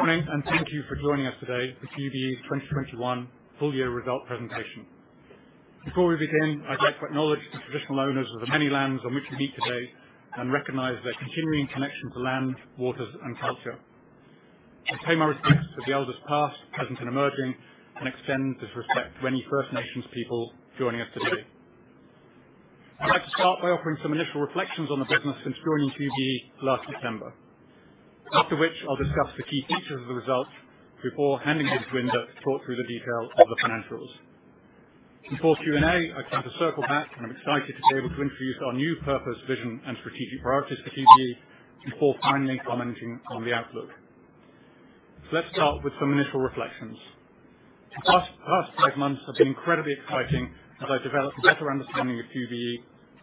Morning, and thank you for joining us today for QBE 2021 Full Year Results Presentation. Before we begin, I'd like to acknowledge the traditional owners of the many lands on which we meet today and recognize their continuing connection to land, waters, and culture. I pay my respects to the elders past, present, and emerging, and extend this respect to any First Nations people joining us today. I'd like to start by offering some initial reflections on the business since joining QBE last December. After which, I'll discuss the key features of the results before handing it to Inder to talk through the details of the financials. Before Q&A, I plan to circle back, and I'm excited to be able to introduce our new purpose, vision, and strategic priorities for QBE before finally commenting on the outlook. Let's start with some initial reflections. The past five months have been incredibly exciting as I developed a better understanding of QBE.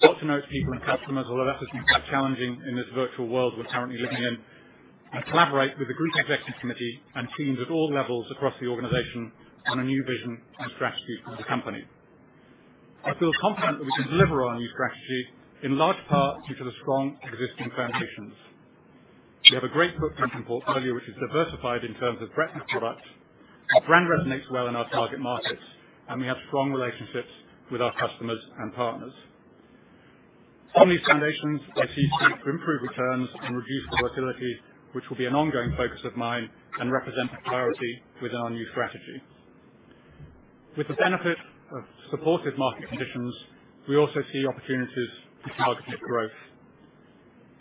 I got to know its people and customers, although that has been quite challenging in this virtual world we're currently living in. I collaborate with the group executive committee and teams at all levels across the organization on a new vision and strategy for the company. I feel confident that we can deliver on our new strategy, in large part due to the strong existing foundations. We have a great book value portfolio which is diversified in terms of breadth and product. Our brand resonates well in our target markets, and we have strong relationships with our customers and partners. On these foundations, I see room to improve returns and reduce volatility, which will be an ongoing focus of mine and represent a priority within our new strategy. With the benefit of supportive market conditions, we also see opportunities for targeted growth.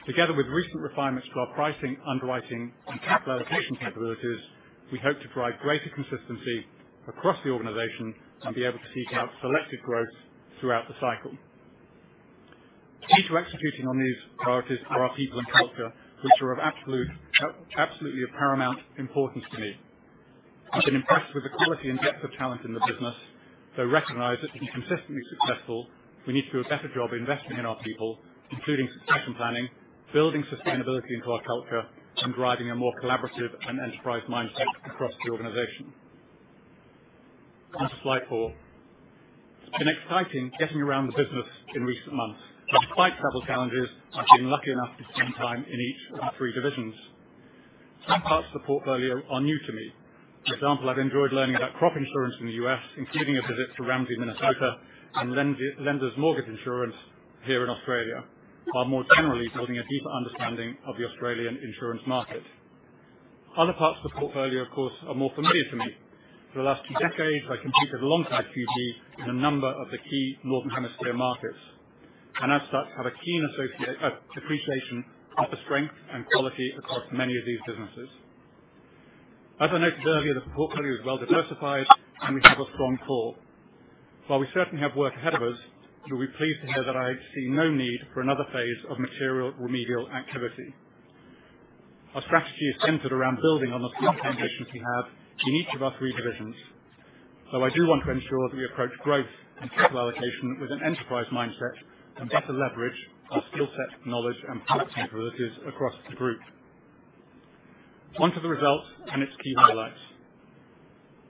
Together with recent refinements to our pricing, underwriting, and capital allocation capabilities, we hope to provide greater consistency across the organization and be able to seek out selected growth throughout the cycle. Key to executing on these priorities are our people and culture, which are absolutely of paramount importance to me. I've been impressed with the quality and depth of talent in the business, though recognize that to be consistently successful, we need to do a better job investing in our people, including succession planning, building sustainability into our culture, and driving a more collaborative and enterprise mindset across the organization. On to slide four. It's been exciting getting around the business in recent months. Despite travel challenges, I've been lucky enough to spend time in each of our three divisions. Some parts of the portfolio are new to me. For example, I've enjoyed learning about crop insurance in the U.S., including a visit to Ramsey, Minnesota, and LMI, Lenders Mortgage Insurance here in Australia, while more generally building a deeper understanding of the Australian insurance market. Other parts of the portfolio, of course, are more familiar to me. For the last two decades, I competed alongside QBE in a number of the key Northern Hemisphere markets, and as such, have a keen appreciation of the strength and quality across many of these businesses. As I noted earlier, the portfolio is well diversified and we have a strong core. While we certainly have work ahead of us, you'll be pleased to hear that I see no need for another phase of material remedial activity. Our strategy is centered around building on the strong foundations we have in each of our three divisions. I do want to ensure that we approach growth and capital allocation with an enterprise mindset and better leverage our skill set, knowledge, and product capabilities across the group. Onto the results and its key highlights.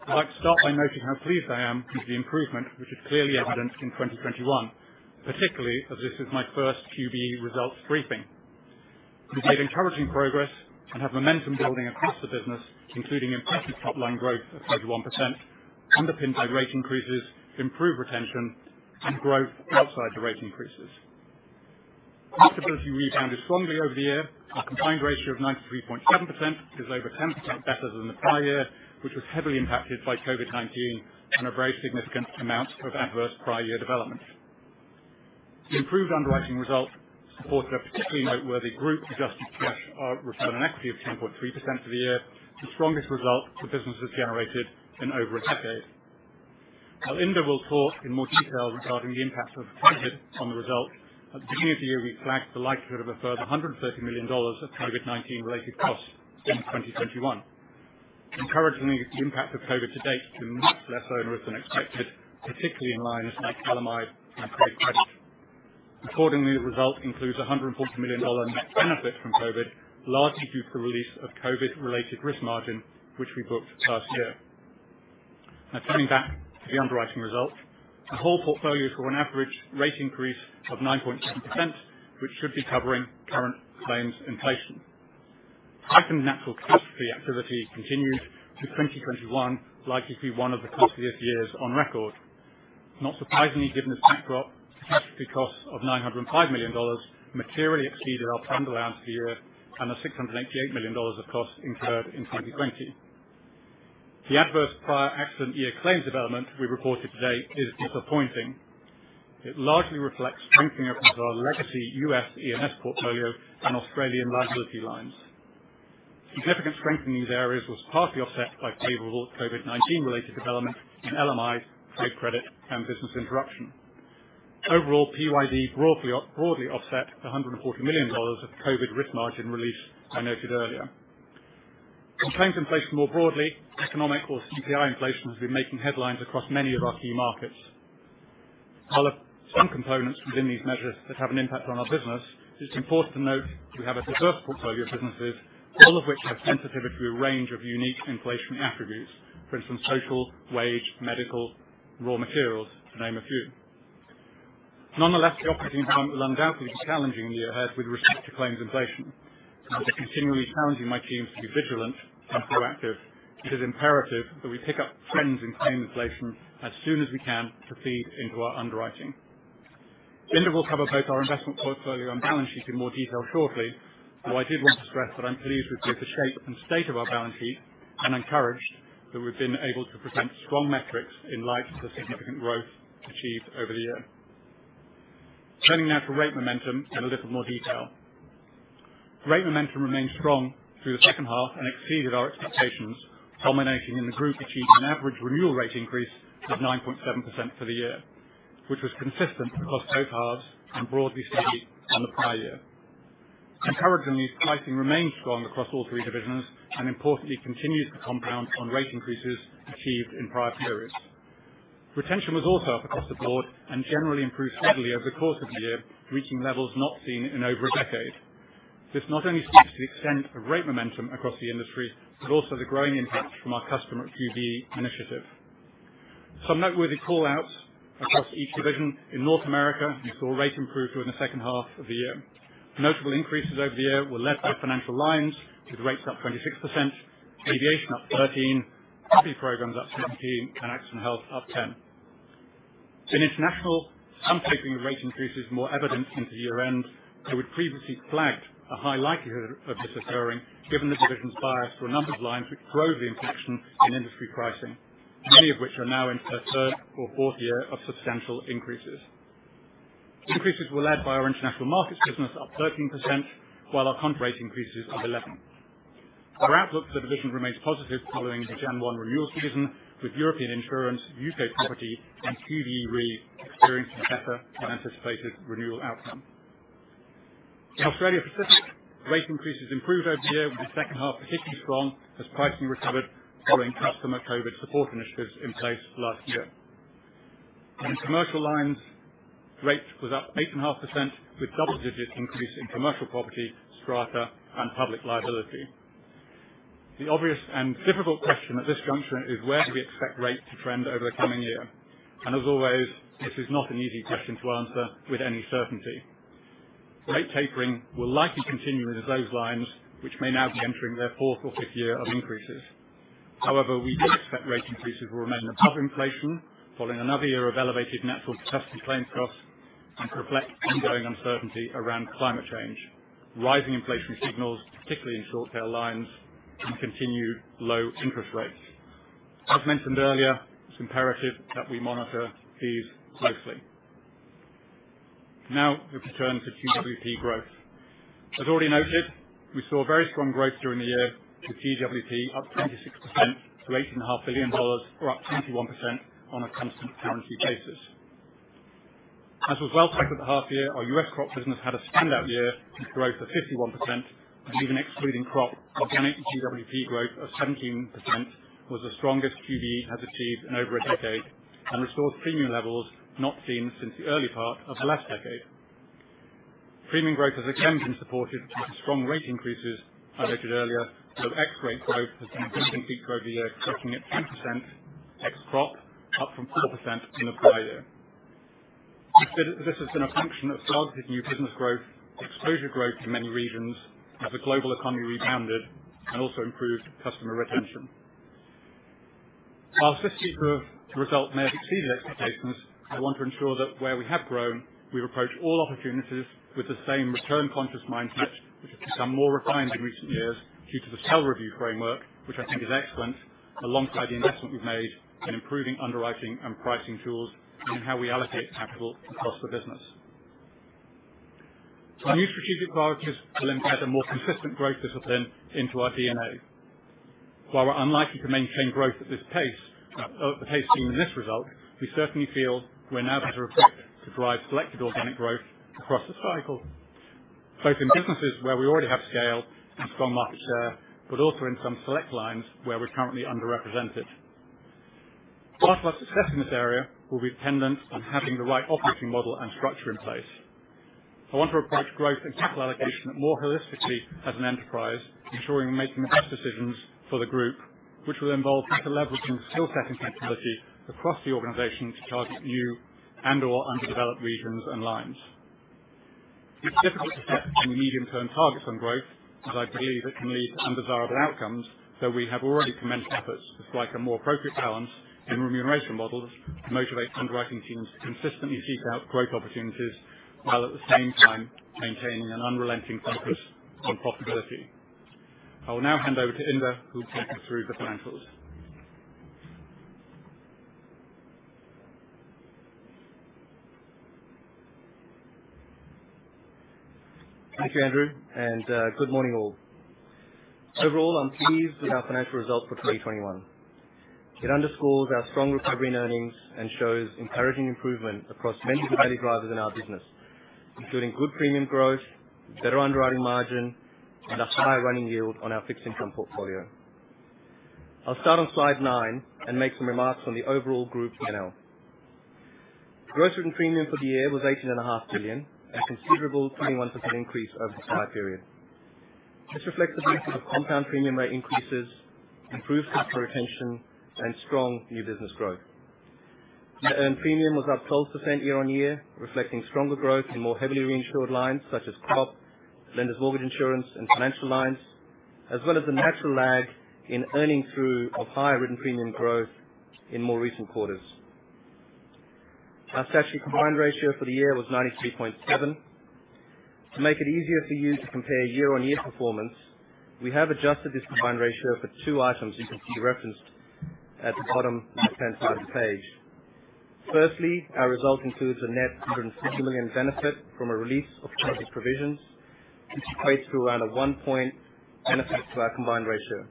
I'd like to start by noting how pleased I am with the improvement, which is clearly evident in 2021, particularly as this is my first QBE results briefing. We've made encouraging progress and have momentum building across the business, including impressive top line growth of 31%, underpinned by rate increases, improved retention, and growth outside the rate increases. Profitability rebounded strongly over the year. Our combined ratio of 93.7% is over 10% better than the prior year, which was heavily impacted by COVID-19 and a very significant amount of adverse prior year developments. The improved underwriting results supported a particularly noteworthy group adjusted cash return on equity of 10.3% for the year. The strongest result the business has generated in over a decade. Now Inder will talk in more detail regarding the impact of COVID on the results. At the beginning of the year, we flagged the likelihood of a further $130 million of COVID-19 related costs in 2021. Encouragingly, the impact of COVID to date has been much less onerous than expected, particularly in lines like LMI and trade credit. Accordingly, the result includes $140 million net benefit from COVID, largely due to release of COVID related risk margin, which we booked last year. Now coming back to the underwriting result. The whole portfolio saw an average rate increase of 9.7%, which should be covering current claims inflation. Heightened natural catastrophe activity continued through 2021, likely to be one of the costliest years on record. Not surprisingly, given this backdrop, catastrophe costs of $905 million materially exceeded our planned allowance for the year and the $688 million of costs incurred in 2020. The adverse prior accident year claims development we reported today is disappointing. It largely reflects strengthening patterns of our legacy U.S. E&S portfolio and Australian liability lines. Significant strength in these areas was partly offset by favorable COVID-19 related developments in LMI, trade credit, and business interruption. Overall, PYD broadly offset the $140 million of COVID risk margin release I noted earlier. On claims inflation more broadly, economic or CPI inflation has been making headlines across many of our key markets. While there are some components within these measures that have an impact on our business, it's important to note we have a diverse portfolio of businesses, all of which have sensitivity to a range of unique inflationary attributes, for instance, social, wage, medical, raw materials, to name a few. Nonetheless, the operating environment will undoubtedly be challenging in the year ahead with respect to claims inflation. I'll be continually challenging my teams to be vigilant and proactive. It is imperative that we pick up trends in claim inflation as soon as we can to feed into our underwriting. Inder will cover both our investment portfolio and balance sheet in more detail shortly. Though I did want to stress that I'm pleased with the shape and state of our balance sheet, and encouraged that we've been able to present strong metrics in light of the significant growth achieved over the year. Turning now to rate momentum in a little more detail. Rate momentum remained strong through the second half and exceeded our expectations, culminating in the group achieving an average renewal rate increase of 9.7% for the year, which was consistent across both halves and broadly steady on the prior year. Encouragingly, pricing remained strong across all three divisions and importantly continued to compound on rate increases achieved in prior periods. Retention was also up across the board and generally improved steadily over the course of the year, reaching levels not seen in over a decade. This not only speaks to the extent of rate momentum across the industry, but also the growing impact from our Customer CD initiative. Some noteworthy callouts across each division. In North America, we saw rates improve during the second half of the year. Notable increases over the year were led by financial lines, with rates up 26%, aviation up 13%, property programs up 17%, and Accident & Health up 10%. In International, some tapering of rate increases more evident into year-end, though we'd previously flagged a high likelihood of this occurring given the division's bias to a number of lines which drove the inflation in industry pricing, many of which are now into their third or fourth year of substantial increases. Increases were led by our international markets business up 13%, while our composite rate increases up 11%. Our outlook for the division remains positive following the January 1 renewal season, with European insurance, U.K. property, and QBE Re experiencing better than anticipated renewal outcome. In Australian Pacific, rate increases improved over the year, with the second half particularly strong as pricing recovered following customer COVID support initiatives in place last year. In commercial lines, rates was up 8.5%, with double digits increases in commercial property, strata, and public liability. The obvious and difficult question at this juncture is where do we expect rates to trend over the coming year? As always, this is not an easy question to answer with any certainty. Rate tapering will likely continue into those lines, which may now be entering their fourth or fifth year of increases. However, we do expect rate increases will remain above inflation following another year of elevated natural catastrophe claims costs, and reflect ongoing uncertainty around climate change, rising inflation signals, particularly in short tail lines, and continued low interest rates. As mentioned earlier, it's imperative that we monitor these closely. Now we can turn to GWP growth. As already noted, we saw very strong growth during the year, with GWP up 26% to $8.5 billion or up 21% on a constant currency basis. As was well taken at the half year, our U.S. crop business had a standout year with growth of 51%, and even excluding crop, organic GWP growth of 17% was the strongest QBE has achieved in over a decade, and restored premium levels not seen since the early part of the last decade. Premium growth has again been supported by the strong rate increases I noted earlier, though ex-rate growth has been a good feature over the year, growing at 10% ex crop, up from 4% in the prior year. This has been a function of solid new business growth, exposure growth in many regions as the global economy rebounded, and also improved customer retention. While 50% growth result may have exceeded expectations, I want to ensure that where we have grown, we approach all opportunities with the same return conscious mindset, which has become more refined in recent years due to the CEL review framework, which I think is excellent, alongside the investment we've made in improving underwriting and pricing tools and in how we allocate capital across the business. Our new strategic priorities will embed a more consistent growth discipline into our DNA. While we're unlikely to maintain growth at this pace, or the pace seen in this result, we certainly feel we're now better equipped to drive selected organic growth across the cycle, both in businesses where we already have scale and strong market share, but also in some select lines where we're currently underrepresented. Part of our success in this area will be dependent on having the right operating model and structure in place. I want to approach growth and capital allocation more holistically as an enterprise, ensuring we're making the best decisions for the group, which will involve better leveraging skill set and capability across the organization to target new and or underdeveloped regions and lines. It's difficult to set any medium-term targets on growth, as I believe it can lead to undesirable outcomes, though we have already commenced efforts to strike a more appropriate balance in remuneration models to motivate underwriting teams to consistently seek out growth opportunities while at the same time maintaining an unrelenting focus on profitability. I will now hand over to Inder, who will take us through the financials. Thank you, Andrew, and good morning, all. Overall, I'm pleased with our financial results for 2021. It underscores our strong recovery in earnings and shows encouraging improvement across many of the value drivers in our business, including good premium growth, better underwriting margin, and a high running yield on our fixed income portfolio. I'll start on slide nine and make some remarks on the overall group P&L. Gross written premium for the year was $18.5 billion, a considerable 21% increase over the prior period. This reflects the benefit of compound premium rate increases, improved customer retention, and strong new business growth. Net earned premium was up 12% year-on-year, reflecting stronger growth in more heavily reinsured lines such as crop, lenders mortgage insurance, and financial lines, as well as the natural lag in earning through of higher written premium growth in more recent quarters. Our statutory combined ratio for the year was 93.7. To make it easier for you to compare year-on-year performance, we have adjusted this combined ratio for two items you can see referenced at the bottom right-hand side of the page. Firstly, our result includes a net $160 million benefit from a release of COVID provisions, which equates to around a 1-point benefit to our combined ratio.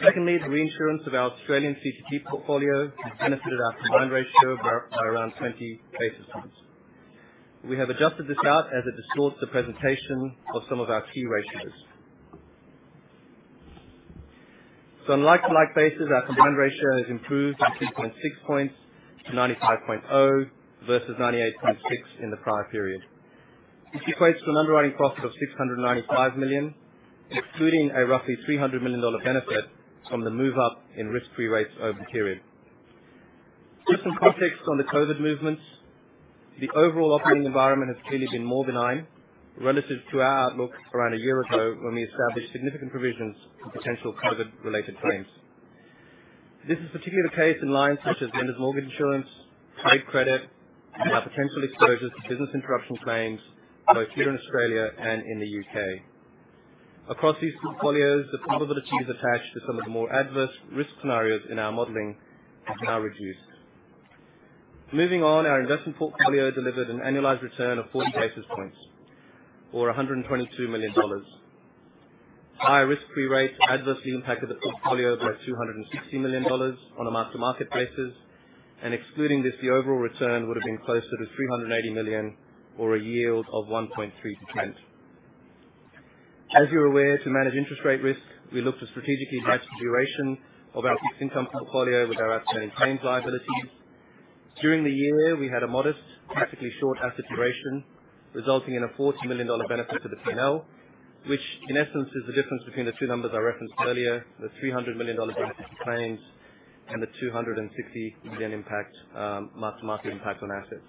Secondly, the reinsurance of our Australian CTP portfolio has benefited our combined ratio by around 20 basis points. We have adjusted this out as it distorts the presentation of some of our key ratios. On a like-for-like basis, our combined ratio has improved by 3.6 points to 95.0 versus 98.6 in the prior period. This equates to an underwriting profit of $695 million, excluding a roughly $300 million benefit from the move up in risk-free rates over the period. Just some context on the COVID movements. The overall operating environment has clearly been more benign relative to our outlook around a year ago when we established significant provisions for potential COVID related claims. This is particularly the case in lines such as Lenders Mortgage Insurance, trade credit, and our potential exposures to business interruption claims, both here in Australia and in the U.K. Across these portfolios, the probabilities attached to some of the more adverse risk scenarios in our modeling have now reduced. Moving on, our investment portfolio delivered an annualized return of 40 basis points or $122 million. Higher risk-free rates adversely impacted the portfolio by $260 million on a mark-to-market basis, and excluding this, the overall return would have been closer to $380 million or a yield of 1.3%. As you're aware, to manage interest rate risk, we look to strategically match the duration of our fixed income portfolio with our outstanding claims liabilities. During the year, we had a modest, practically short asset duration, resulting in a $40 million benefit to the P&L, which in essence is the difference between the two numbers I referenced earlier, the $300 million benefit to claims and the $260 million impact, mark-to-market impact on assets.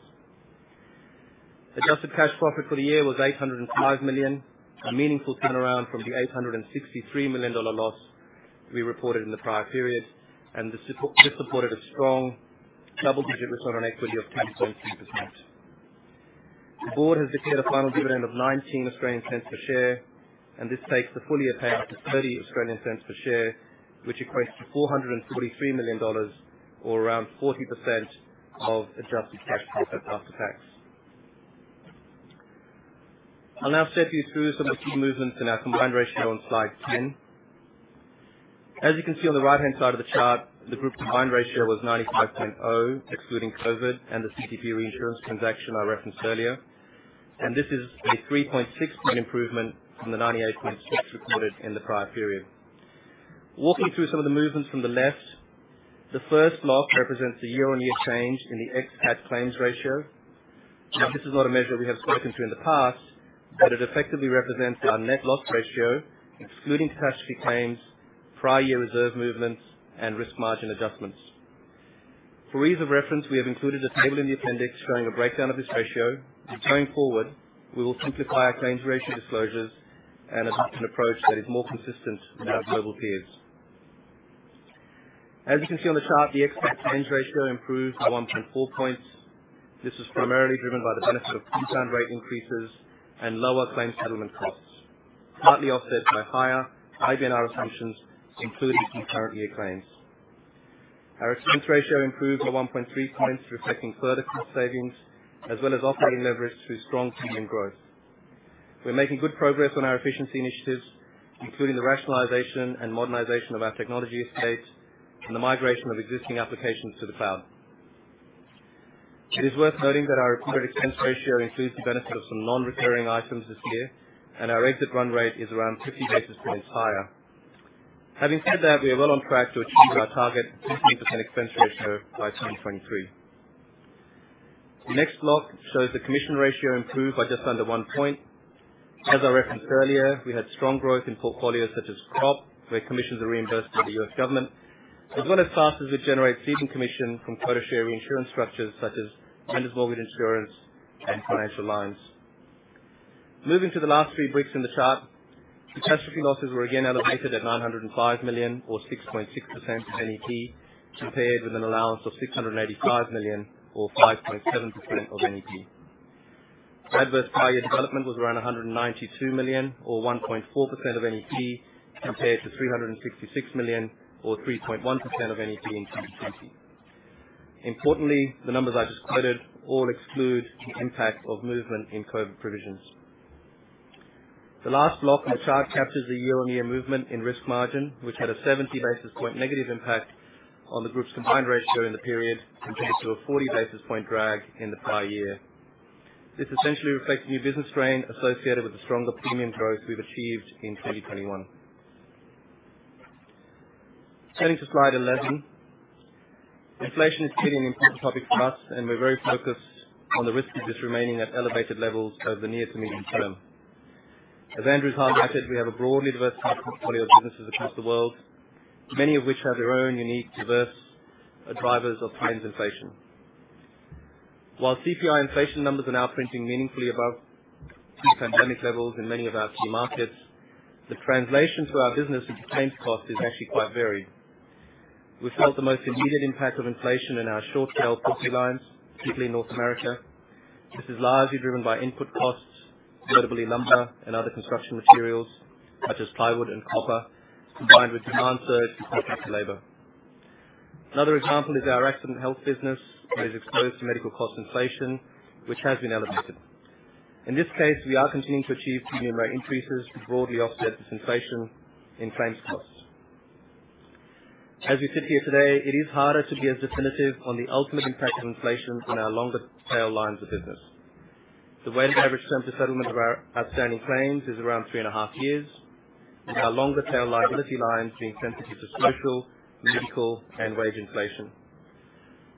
Adjusted tax profit for the year was $805 million, a meaningful turnaround from the $863 million loss we reported in the prior period. This supported a strong double-digit return on equity of 10.3%. The board has declared a final dividend of 0.19 per share, and this takes the full-year payout to 0.30 per share, which equates to $443 million or around 40% of adjusted cash flow after tax. I'll now take you through some of the key movements in our combined ratio on slide 10. As you can see on the right-hand side of the chart, the group combined ratio was 95.0, excluding COVID and the CTP reinsurance transaction I referenced earlier. This is a 3.6-point improvement from the 98.6% recorded in the prior period. Walking through some of the movements from the left, the first block represents the year-on-year change in the ex-cat claims ratio. Now, this is not a measure we have spoken to in the past, but it effectively represents our net loss ratio, excluding catastrophe claims, prior year reserve movements, and risk margin adjustments. For ease of reference, we have included a table in the appendix showing a breakdown of this ratio. Going forward, we will simplify our claims ratio disclosures and adopt an approach that is more consistent with our global peers. As you can see on the chart, the ex-cat claims ratio improved by 1.4 points. This was primarily driven by the benefit of composite rate increases and lower claims settlement costs, partly offset by higher IBNR assumptions, including the current year claims. Our expense ratio improved by 1.3 points, reflecting further cost savings as well as operating leverage through strong premium growth. We're making good progress on our efficiency initiatives, including the rationalization and modernization of our technology estate and the migration of existing applications to the cloud. It is worth noting that our reported expense ratio includes the benefit of some non-recurring items this year, and our exit run rate is around 50 basis points higher. Having said that, we are well on track to achieve our target 15% expense ratio by 2023. The next block shows the commission ratio improved by just under 1 point. As I referenced earlier, we had strong growth in portfolios such as crop, where commissions are reimbursed by the U.S. government, as well as classes that generate ceding commission from quota share reinsurance structures such as Lenders Mortgage Insurance and Financial Lines. Moving to the last three bricks in the chart, catastrophe losses were again elevated at $905 million or 6.6% of NEP, compared with an allowance of $685 million or 5.7% of NEP. Adverse prior year development was around $192 million or 1.4% of NEP, compared to $366 million or 3.1% of NEP in 2020. Importantly, the numbers I just quoted all exclude the impact of movement in COVID provisions. The last block on the chart captures the year-on-year movement in risk margin, which had a 70 basis point negative impact on the group's combined ratio in the period, compared to a 40 basis point drag in the prior year. This essentially reflects new business strain associated with the stronger premium growth we've achieved in 2021. Turning to slide 11. Inflation is clearly an important topic for us, and we're very focused on the risk of this remaining at elevated levels over the near to medium term. As Andrew's highlighted, we have a broadly diversified portfolio of businesses across the world, many of which have their own unique, diverse, drivers of claims inflation. While CPI inflation numbers are now printing meaningfully above pre-pandemic levels in many of our key markets, the translation to our business and claims cost is actually quite varied. We felt the most immediate impact of inflation in our short tail property lines, particularly in North America. This is largely driven by input costs, notably lumber and other construction materials, such as plywood and copper, combined with demand surge and tighter labor. Another example is our Accident & Health business that is exposed to medical cost inflation, which has been elevated. In this case, we are continuing to achieve premium rate increases to broadly offset the inflation in claims costs. As we sit here today, it is harder to be as definitive on the ultimate impact of inflation on our longer tail lines of business. The weighted average term to settlement of our outstanding claims is around three and a half years, with our longer tail liability lines being sensitive to social, medical, and wage inflation.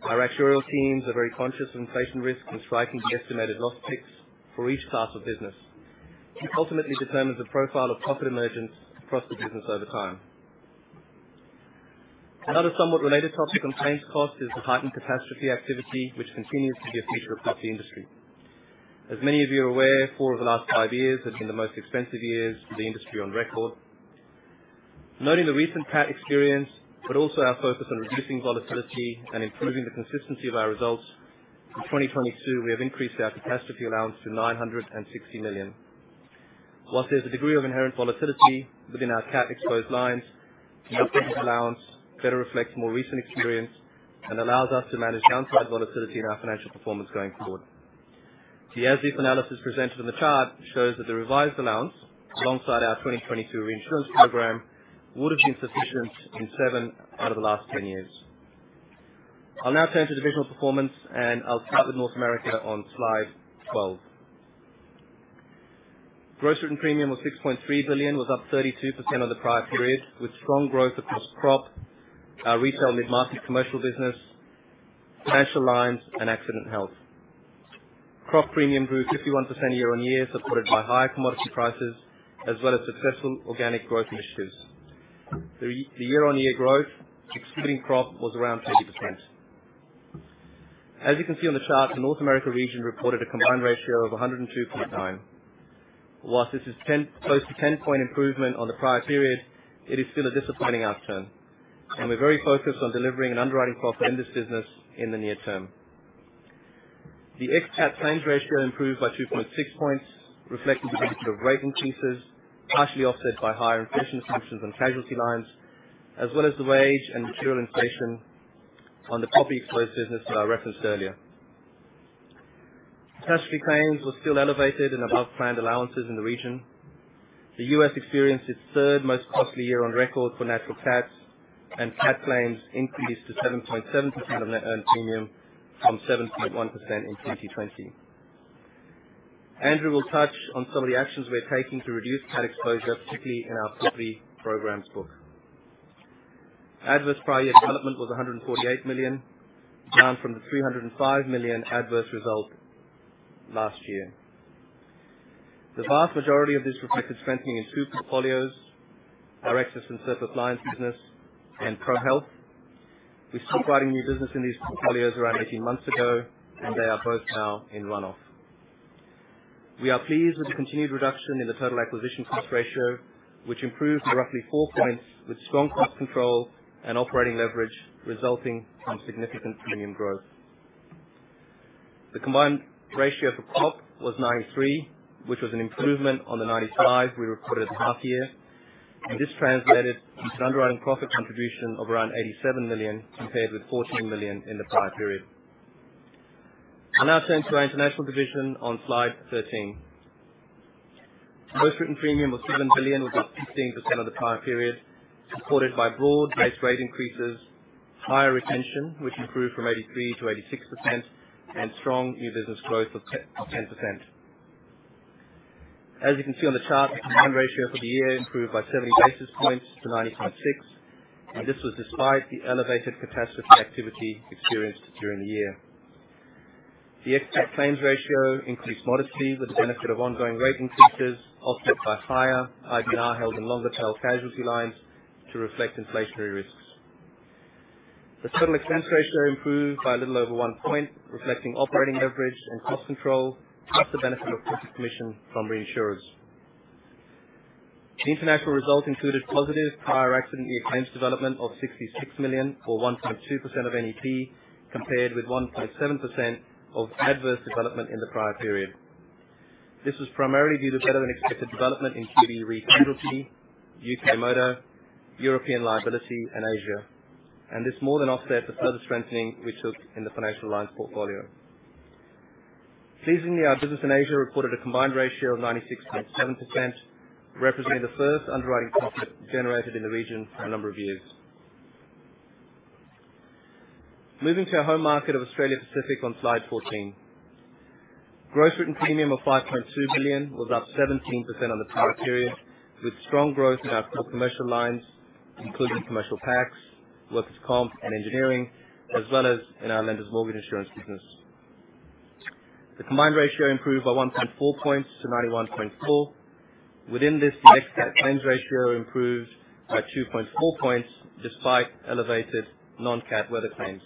Our actuarial teams are very conscious of inflation risk when striking the estimated loss picks for each class of business. This ultimately determines the profile of profit emergence across the business over time. Another somewhat related topic on claims cost is the heightened catastrophe activity, which continues to be a feature across the industry. As many of you are aware, four of the last five years have been the most expensive years for the industry on record. Noting the recent cat experience, but also our focus on reducing volatility and improving the consistency of our results, in 2022 we have increased our catastrophe allowance to $960 million. While there's a degree of inherent volatility within our cat exposed lines, this increased allowance better reflects more recent experience and allows us to manage downside volatility in our financial performance going forward. The as if analysis presented on the chart shows that the revised allowance alongside our 2022 reinsurance program would have been sufficient in seven out of the last 10 years. I'll now turn to divisional performance, and I'll start with North America on slide 12. Gross written premium was $6.3 billion, up 32% on the prior period, with strong growth across crop, our retail mid-market commercial business, financial lines, and accident health. Crop premium grew 51% year-on-year, supported by higher commodity prices as well as successful organic growth initiatives. Year-on-year growth excluding crop was around 30%. As you can see on the chart, the North America region reported a combined ratio of 102.9. While this is 10, close to 10-point improvement on the prior period, it is still a disappointing outcome, and we're very focused on delivering an underwriting profit in this business in the near term. The ex-cat claims ratio improved by 2.6 points, reflecting the benefit of rate increases, partially offset by higher inflation assumptions on casualty lines, as well as the wage and material inflation on the property exposed business that I referenced earlier. Catastrophe claims were still elevated and above planned allowances in the region. The U.S. experienced its third most costly year on record for natural cats, and cat claims increased to 7.7% of net earned premium from 7.1% in 2020. Andrew will touch on some of the actions we are taking to reduce cat exposure, particularly in our property programs book. Adverse prior year development was $148 million, down from the $305 million adverse result last year. The vast majority of this reflected strengthening in two portfolios, our excess and surplus lines business and ProHealth. We stopped writing new business in these portfolios around 18 months ago, and they are both now in runoff. We are pleased with the continued reduction in the total acquisition cost ratio, which improved by roughly 4 points with strong cost control and operating leverage resulting from significant premium growth. The combined ratio for crop was 93, which was an improvement on the 95 we recorded at half year, and this translated to an underwriting profit contribution of around $87 million, compared with $14 million in the prior period. I'll now turn to our international division on slide 13. Gross written premium was $7 billion, up 15% on the prior period, supported by broad base rate increases, higher retention, which improved from 83%-86%, and strong new business growth of 10%. As you can see on the chart, the combined ratio for the year improved by 70 basis points to 90.6, and this was despite the elevated catastrophe activity experienced during the year. The ex-cat claims ratio increased modestly with the benefit of ongoing rate increases offset by higher IBNR held in longer tail casualty lines to reflect inflationary risks. The total expense ratio improved by a little over one point, reflecting operating leverage and cost control, plus the benefit of cost commission from reinsurers. The international result included positive prior accident year claims development of $66 million or 1.2% of NEP, compared with 1.7% of adverse development in the prior period. This was primarily due to better than expected development in QBE Re casualty, U.K. motor, European liability, and Asia. This more than offset the further strengthening we took in the financial lines portfolio. Pleasingly, our business in Asia reported a combined ratio of 96.7%, representing the first underwriting profit generated in the region for a number of years. Moving to our home market of Australia Pacific on slide 14. Gross written premium of $5.2 billion was up 17% on the prior period, with strong growth in our core commercial lines, including commercial packs, workers' comp and engineering, as well as in our Lenders' Mortgage Insurance business. The combined ratio improved by 1.4 points to 91.4. Within this, the loss ratio improved by 2.4 points, despite elevated non-cat weather claims.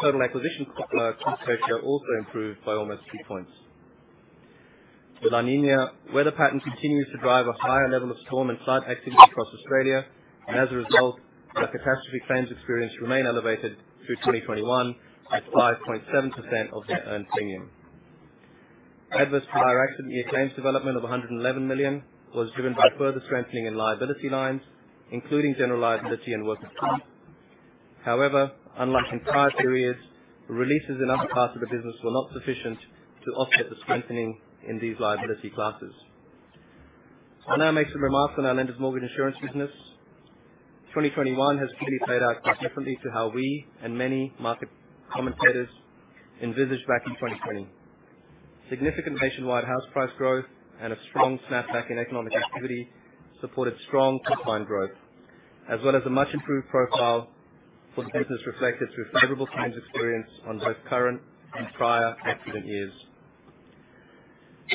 Total acquisition costs ratio also improved by almost 3 points. The La Niña weather pattern continues to drive a higher level of storm and cyclone activity across Australia, and as a result, our catastrophe claims experience remains elevated through 2021 at 5.7% of the earned premium. Adverse prior accident year claims development of $111 million was driven by further strengthening in liability lines, including general liability and workers' comp. However, unlike in prior periods, releases in other parts of the business were not sufficient to offset the strengthening in these liability classes. I'll now make some remarks on our Lenders' Mortgage Insurance business. 2021 has clearly played out quite differently to how we and many market commentators envisioned back in 2020. Significant nationwide house price growth and a strong snapback in economic activity supported strong combined growth, as well as a much improved profile for the business reflected through favorable claims experience on both current and prior accident years.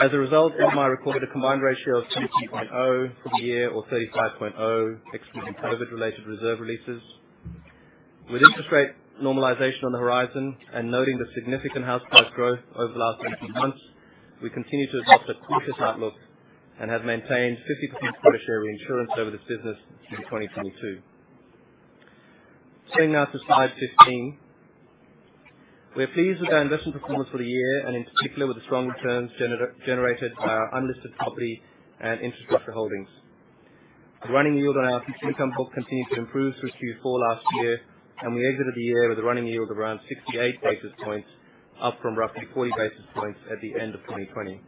As a result, LMI recorded a combined ratio of 95.0% for the year or 135.0%, excluding COVID-related reserve releases. With interest rate normalization on the horizon and noting the significant house price growth over the last 18 months, we continue to adopt a cautious outlook and have maintained 50% quota share reinsurance over this business in 2022. Turning now to slide 15, We're pleased with our investment performance for the year and in particular with the strong returns generated by our unlisted property and infrastructure holdings. The running yield on our fixed income book continued to improve through Q4 last year, and we exited the year with a running yield of around 68 basis points, up from roughly 40 basis points at the end of 2020.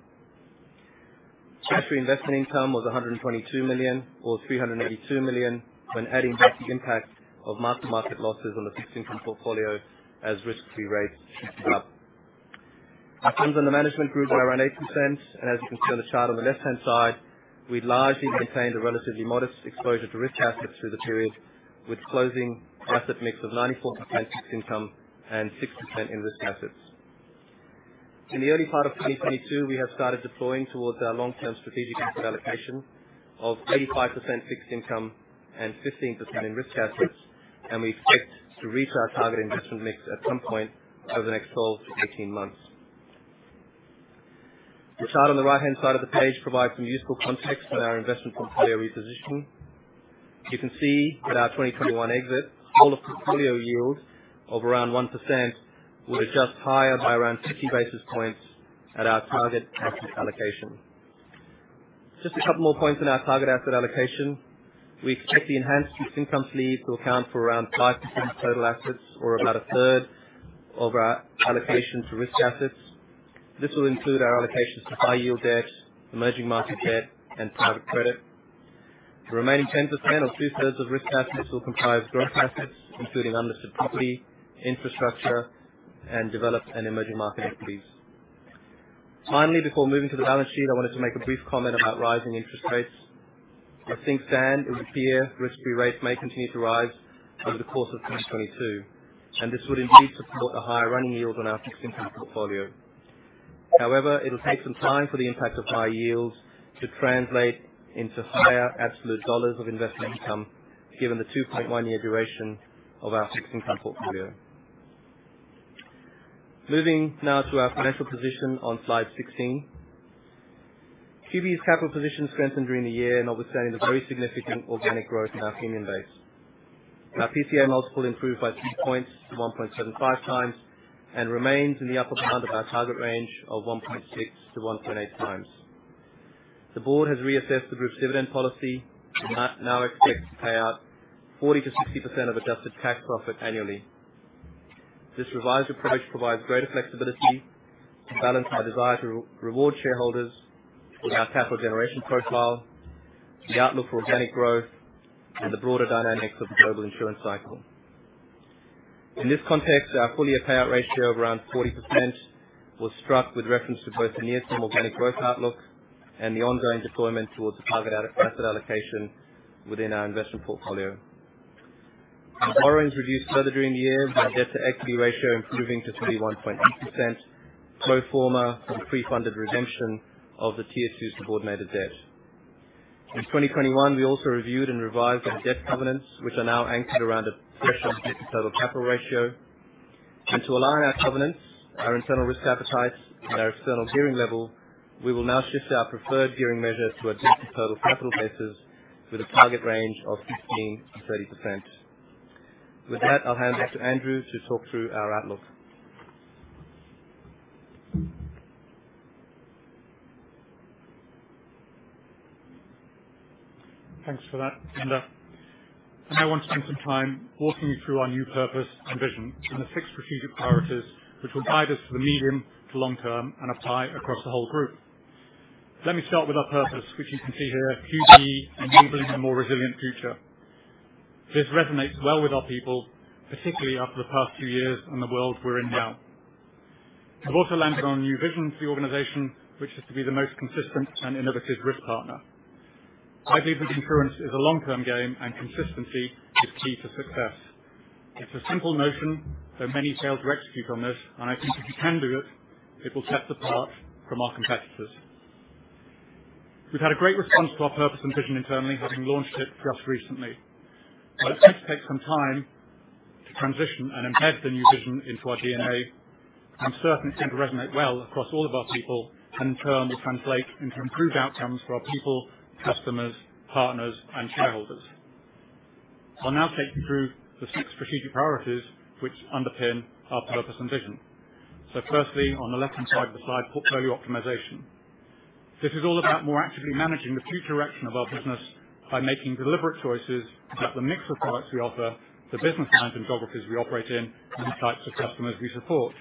Cash investment income was $122 million or $382 million when adding back the impact of mark-to-market losses on the fixed income portfolio as risk-free rates shifted up. Returns on the management group were around 8%, and as you can see on the chart on the left-hand side, we largely maintained a relatively modest exposure to risk assets through the period with closing asset mix of 94% fixed income and 6% in risk assets. In the early part of 2022, we have started deploying towards our long-term strategic asset allocation of 85% fixed income and 15% in risk assets. We expect to reach our target investment mix at some point over the next 12-18 months. The chart on the right-hand side of the page provides some useful context on our investment portfolio repositioning. You can see with our 2021 exit, total portfolio yield of around 1% would adjust higher by around 50 basis points at our target asset allocation. Just a couple more points on our target asset allocation. We expect the enhanced fixed income sleeve to account for around 5% of total assets or about a third of our allocation to risk assets. This will include our allocations to high yield debt, emerging market debt, and private credit. The remaining 10% or two-thirds of risk assets will comprise growth assets, including unlisted property, infrastructure, and developed and emerging market equities. Finally, before moving to the balance sheet, I wanted to make a brief comment about rising interest rates. I think ten-year risk-free rates may continue to rise over the course of 2022, and this would indeed support a higher running yield on our fixed income portfolio. However, it'll take some time for the impact of higher yields to translate into higher absolute dollars of investment income given the 2.1-year duration of our fixed income portfolio. Moving now to our financial position on slide 16. QBE's capital position strengthened during the year and notwithstanding the very significant organic growth in our premium base. Our PCA multiple improved by 2 points to 1.75x and remains in the upper band of our target range of 1.6x-1.8x. The board has reassessed the group's dividend policy and now expects to pay out 40%-60% of adjusted tax profit annually. This revised approach provides greater flexibility to balance our desire to reward shareholders with our capital generation profile, the outlook for organic growth, and the broader dynamics of the global insurance cycle. In this context, our full year payout ratio of around 40% was struck with reference to both the near-term organic growth outlook and the ongoing deployment towards the target asset allocation within our investment portfolio. Our borrowings reduced further during the year, with our debt-to-equity ratio improving to 21.8%, pro forma for the pre-funded redemption of the tier two subordinated debt. In 2021, we also reviewed and revised our debt covenants, which are now anchored around a threshold debt-to-total capital ratio. To align our covenants, our internal risk appetite, and our external gearing level, we will now shift our preferred gearing measure to a debt-to-total capital basis with a target range of 15%-30%. With that, I'll hand back to Andrew to talk through our outlook Thanks for that, Inder. I now want to spend some time walking you through our new purpose and vision and the six strategic priorities which will guide us for the medium to long term and apply across the whole group. Let me start with our purpose, which you can see here, "QBE enabling a more resilient future." This resonates well with our people, particularly after the past few years and the world we're in now. I've also landed on a new vision for the organization, which is to be the most consistent and innovative risk partner. I believe that insurance is a long-term game, and consistency is key to success. It's a simple notion, though many fail to execute on this, and I think if we can do it will set us apart from our competitors. We've had a great response to our purpose and vision internally, having launched it just recently. It does take some time to transition and embed the new vision into our DNA. I'm certain it's going to resonate well across all of our people, and in turn, will translate into improved outcomes for our people, customers, partners, and shareholders. I'll now take you through the six strategic priorities which underpin our purpose and vision. Firstly, on the left-hand side of the slide, portfolio optimization. This is all about more actively managing the future direction of our business by making deliberate choices about the mix of products we offer, the business lines and geographies we operate in, and the types of customers we support.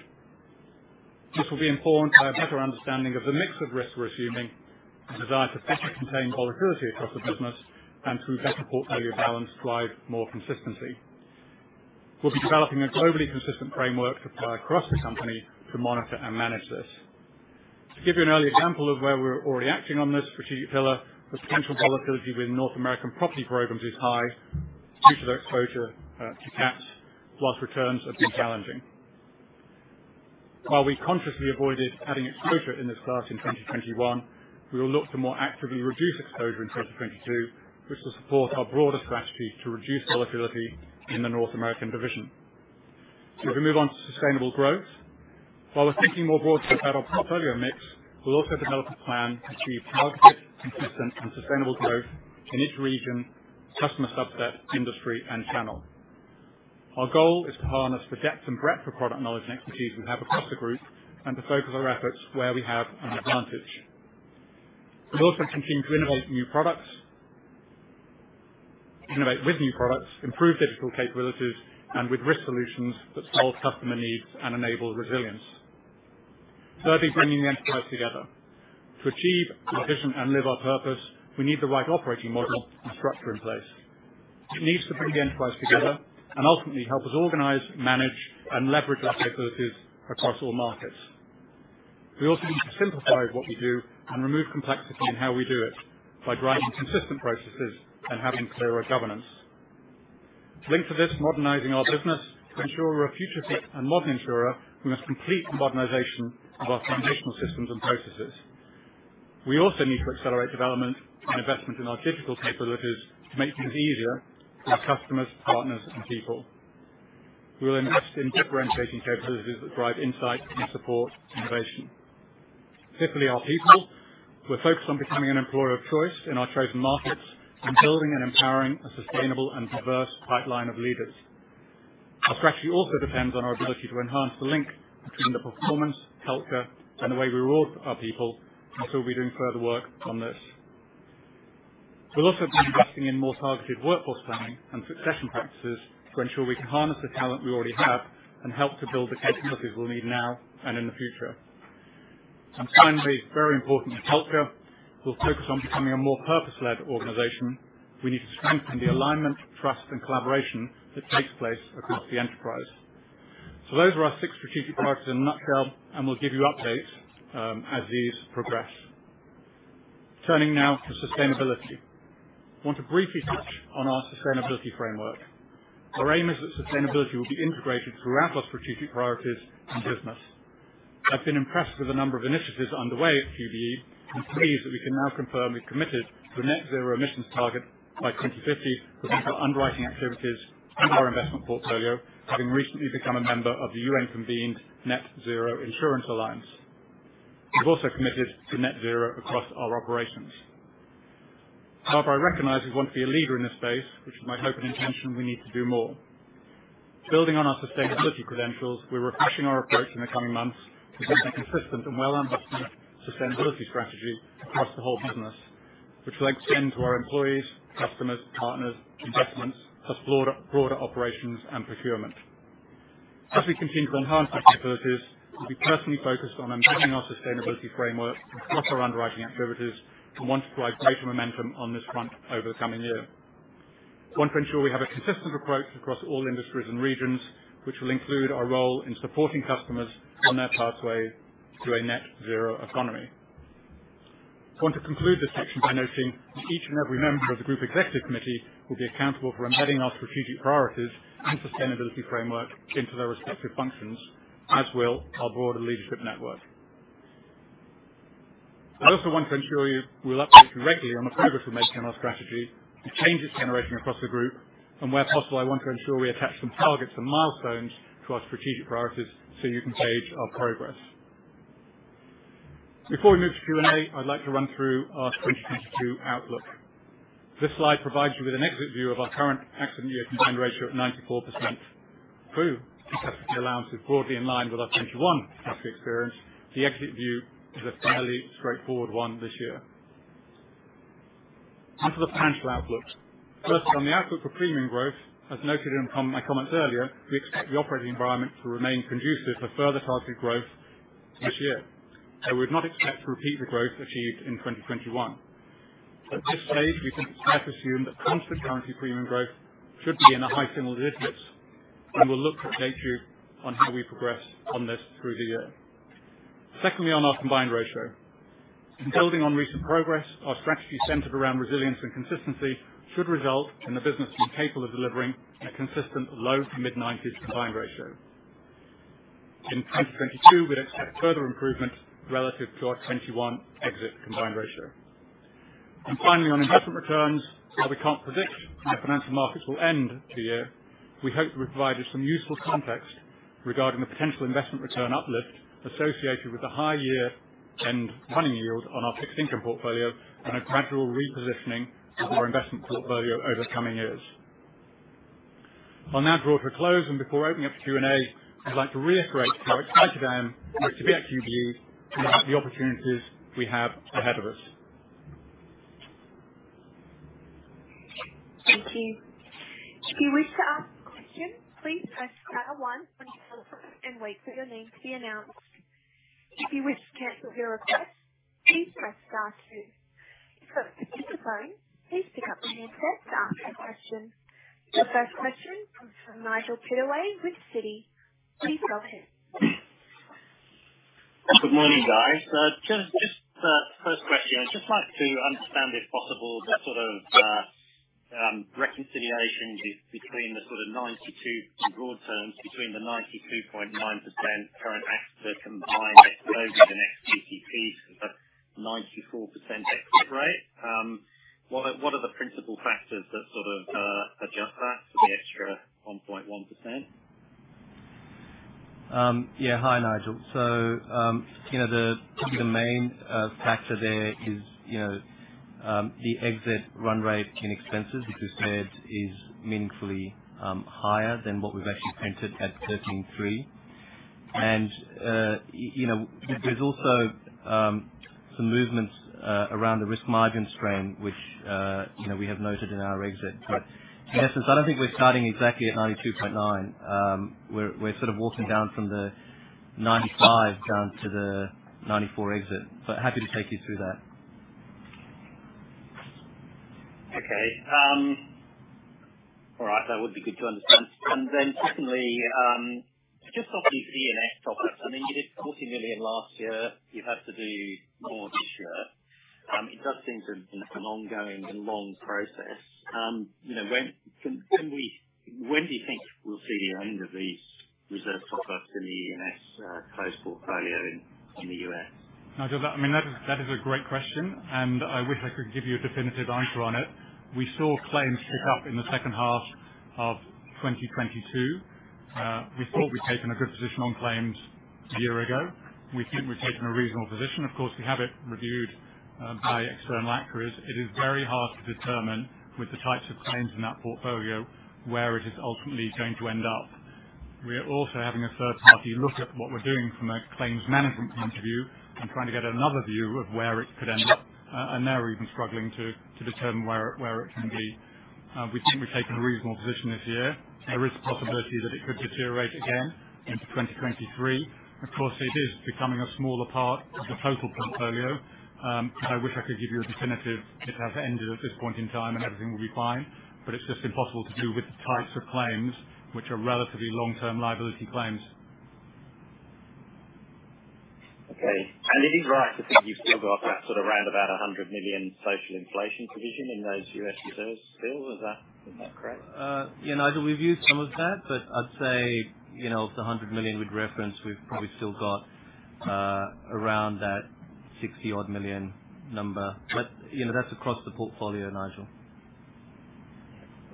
This will be informed by a better understanding of the mix of risks we're assuming, a desire to better contain volatility across the business, and through better portfolio balance, drive more consistency. We'll be developing a globally consistent framework applied across the company to monitor and manage this. To give you an early example of where we're already acting on this strategic pillar, the potential volatility with North American property programs is high due to their exposure to cats, plus returns have been challenging. While we consciously avoided adding exposure in this class in 2021, we will look to more actively reduce exposure in 2022, which will support our broader strategy to reduce volatility in the North American division. If we move on to sustainable growth, while we're thinking more broadly about our portfolio mix, we'll also develop a plan to achieve targeted, consistent, and sustainable growth in each region, customer subset, industry, and channel. Our goal is to harness the depth and breadth of product knowledge and expertise we have across the group and to focus our efforts where we have an advantage. We're also looking to innovate new products. Innovate with new products, improve digital capabilities, and with risk solutions that solve customer needs and enable resilience. Thirdly, bringing the enterprise together. To achieve our vision and live our purpose, we need the right operating model and structure in place. It needs to bring the enterprise together and ultimately help us organize, manage, and leverage our capabilities across all markets. We also need to simplify what we do and remove complexity in how we do it by driving consistent processes and having clearer governance. Linked to this, modernizing our business. To ensure we're a future fit and modern insurer, we must complete the modernization of our foundational systems and processes. We also need to accelerate development and investment in our digital capabilities to make things easier for our customers, partners, and people. We will invest in differentiating capabilities that drive insight and support innovation. Fifthly, our people. We're focused on becoming an employer of choice in our chosen markets and building and empowering a sustainable and diverse pipeline of leaders. Our strategy also depends on our ability to enhance the link between the performance, culture, and the way we reward our people, and so we'll be doing further work on this. We'll also be investing in more targeted workforce planning and succession practices to ensure we can harness the talent we already have and help to build the capabilities we'll need now and in the future. Finally, it's very important in culture, we'll focus on becoming a more purpose-led organization. We need to strengthen the alignment, trust, and collaboration that takes place across the enterprise. Those are our six strategic priorities in a nutshell, and we'll give you updates as these progress. Turning now to sustainability. I want to briefly touch on our sustainability framework. Our aim is that sustainability will be integrated throughout our strategic priorities and business. I've been impressed with the number of initiatives underway at QBE and pleased that we can now confirm we've committed to a net zero emissions target by 2050 for both our underwriting activities and our investment portfolio, having recently become a member of the UN-convened Net-Zero Insurance Alliance. We've also committed to net zero across our operations. However, I recognize we want to be a leader in this space, which is my hope and intention. We need to do more. Building on our sustainability credentials, we're refreshing our approach in the coming months to set a consistent and well understood sustainability strategy across the whole business, which will extend to our employees, customers, partners, investments, as broader operations, and procurement. As we continue to enhance our capabilities, we'll be personally focused on embedding our sustainability framework across our underwriting activities and want to drive greater momentum on this front over the coming year. We want to ensure we have a consistent approach across all industries and regions, which will include our role in supporting customers on their pathway to a net zero economy. I want to conclude this section by noting that each and every member of the group executive committee will be accountable for embedding our strategic priorities and sustainability framework into their respective functions, as will our broader leadership network. I also want to ensure you that we'll update you regularly on the progress we're making on our strategy, the changes generating across the group, and where possible, I want to ensure we attach some targets and milestones to our strategic priorities so you can gauge our progress. Before we move to Q&A, I'd like to run through our 2022 outlook. This slide provides you with an exit view of our current accident year combined ratio of 94%. Through catastrophe allowances broadly in line with our 2021 cat experience, the exit view is a fairly straightforward one this year. On to the financial outlook. First, on the outlook for premium growth, as noted in my comments earlier, we expect the operating environment to remain conducive for further targeted growth this year. We'd not expect to repeat the growth achieved in 2021. At this stage, we can safely assume that constant currency premium growth should be in the high single digits, and we'll look to update you on how we progress on this through the year. Secondly, on our combined ratio. In building on recent progress, our strategy centered around resilience and consistency should result in the business being capable of delivering a consistent low- to mid-90s combined ratio. In 2022, we'd expect further improvement relative to our 2021 exit combined ratio. Finally, on investment returns, while we can't predict how financial markets will end the year, we hope to have provided some useful context regarding the potential investment return uplift associated with the high year-end running yield on our fixed income portfolio and a gradual repositioning of our investment portfolio over coming years. I'll now draw to a close, and before opening up to Q&A, I'd like to reiterate how excited I am to be at QBE about the opportunities we have ahead of us. Thank you. If you wish to ask a question, please press star one on your phone and wait for your name to be announced. If you wish to cancel your request, please press star two. If you're picking up the phone, please pick up the headset to ask a question. The first question comes from Nigel Pittaway with Citi. Please go ahead. Good morning, guys. Just first question. I'd just like to understand, if possible, the sort of reconciliation in broad terms between the sort of 92.9% current ex-cat combined and ex-cat's 94% exit rate. What are the principal factors that sort of adjust that for the extra 1.1%? Yeah. Hi, Nigel. You know, the main factor there is, you know, the exit run rate in expenses, which as said, is meaningfully higher than what we've actually printed at 13.3%. You know, there's also some movements around the risk margin strain, which, you know, we have noted in our exit. In essence, I don't think we're starting exactly at 92.9%. We're sort of walking down from the 95% down to the 94% exit. Happy to take you through that. Okay. All right, that would be good to understand. Then secondly, just on the P&C topics, I mean, you did $40 million last year. You have to do more this year. It does seem to be an ongoing and long process. When do you think we'll see the end of these reserve topics in the P&C closed portfolio in the U.S.? Nigel, I mean, that is a great question, and I wish I could give you a definitive answer on it. We saw claims pick up in the second half of 2022. We thought we'd taken a good position on claims a year ago. We think we've taken a reasonable position. Of course, we have it reviewed by external actuaries. It is very hard to determine with the types of claims in that portfolio, where it is ultimately going to end up. We are also having a third party look at what we're doing from a claims management point of view and trying to get another view of where it could end up. They're even struggling to determine where it can be. We think we've taken a reasonable position this year. There is a possibility that it could deteriorate again into 2023. Of course, it is becoming a smaller part of the total portfolio. I wish I could give you a definitive, "It has ended at this point in time and everything will be fine," but it's just impossible to do with the types of claims which are relatively long-term liability claims. Okay. It is right to think you've still got that sort of roundabout $100 million social inflation provision in those U.S. reserves still. Is that correct? Yeah, Nigel, we've used some of that, but I'd say, you know, if the $100 million we'd referenced, we've probably still got around that $60-odd million number. But, you know, that's across the portfolio, Nigel.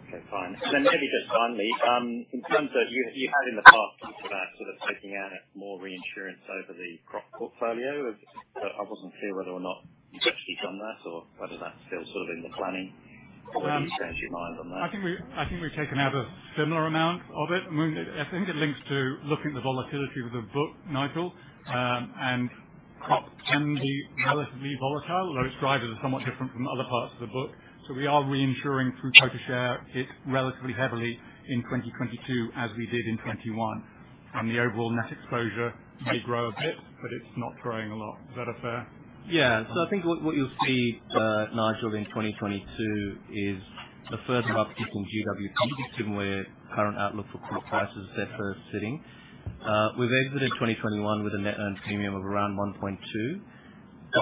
Okay, fine. Maybe just finally, in terms of you had in the past talked about sort of taking out more reinsurance over the crop portfolio. I wasn't clear whether or not you've actually done that or whether that's still sort of in the planning. Where have you changed your mind on that? I think we've taken out a similar amount of it. I mean, I think it links to looking at the volatility of the book, Nigel. Crop can be relatively volatile, though its drivers are somewhat different from other parts of the book. We are reinsuring through quota share it relatively heavily in 2022, as we did in 2021. The overall net exposure may grow a bit, but it's not growing a lot. Is that fair? Yeah. I think what you'll see, Nigel, in 2022 is a further uptick in GWP, given where current outlook for crop prices are set for season. We've exited 2021 with a net earned premium of around $1.2.